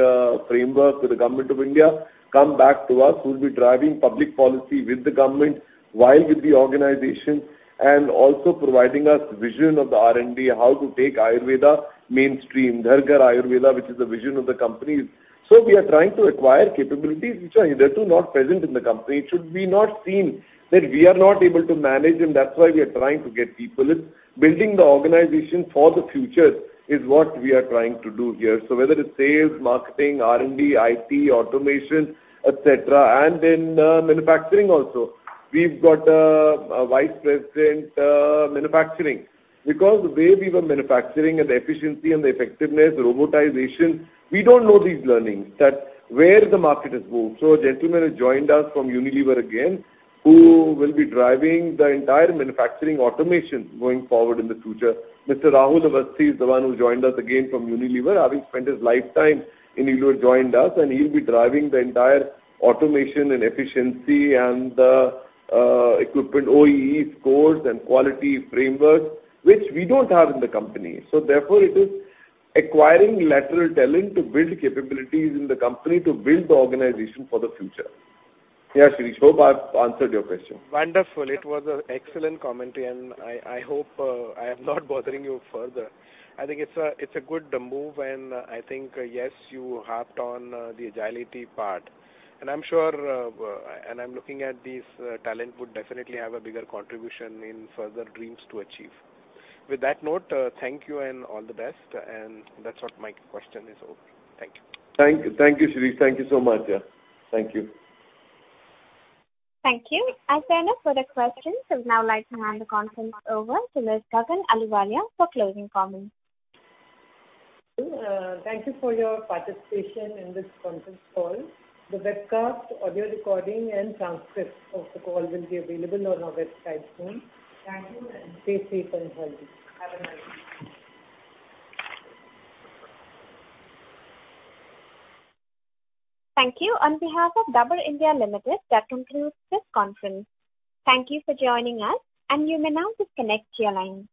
framework with the government of India, come back to us, who will be driving public policy with the government while with the organization, and also providing us vision of the R&D, how to take Ayurveda mainstream. Ghar Ghar Ayurveda, which is the vision of the company. We are trying to acquire capabilities which are hitherto not present in the company. It should be not seen that we are not able to manage them, that's why we are trying to get people in. Building the organization for the future is what we are trying to do here. Whether it's sales, marketing, R&D, IT, automation, et cetera. In manufacturing also. We've got a vice president, manufacturing. Because the way we were manufacturing and the efficiency and the effectiveness, robotization, we don't know these learnings, that where the market has moved. A gentleman has joined us from Unilever again, who will be driving the entire manufacturing automation going forward in the future. Mr. Rahul Awasthi is the one who joined us again from Unilever, having spent his lifetime in Unilever, joined us, and he'll be driving the entire automation and efficiency and the equipment OEE scores and quality frameworks, which we don't have in the company. Therefore it is acquiring lateral talent to build capabilities in the company to build the organization for the future. Yeah, Shirish, hope I've answered your question. Wonderful. It was an excellent commentary. I hope I am not bothering you further. I think it's a good move, and I think, yes, you harped on the agility part. I'm sure, and I'm looking at this talent would definitely have a bigger contribution in further dreams to achieve. With that note, thank you and all the best, and that's what my question is over. Thank you. Thank you, Shirish. Thank you so much. Thank you. Thank you. As there are no further questions, I would now like to hand the conference over to Ms. Gagan Ahluwalia for closing comments. Thank you for your participation in this conference call. The webcast, audio recording, and transcript of the call will be available on our website soon. Thank you, and stay safe and healthy. Have a nice day. Thank you. On behalf of Dabur India Limited, that concludes this conference. Thank you for joining us. You may now disconnect your line.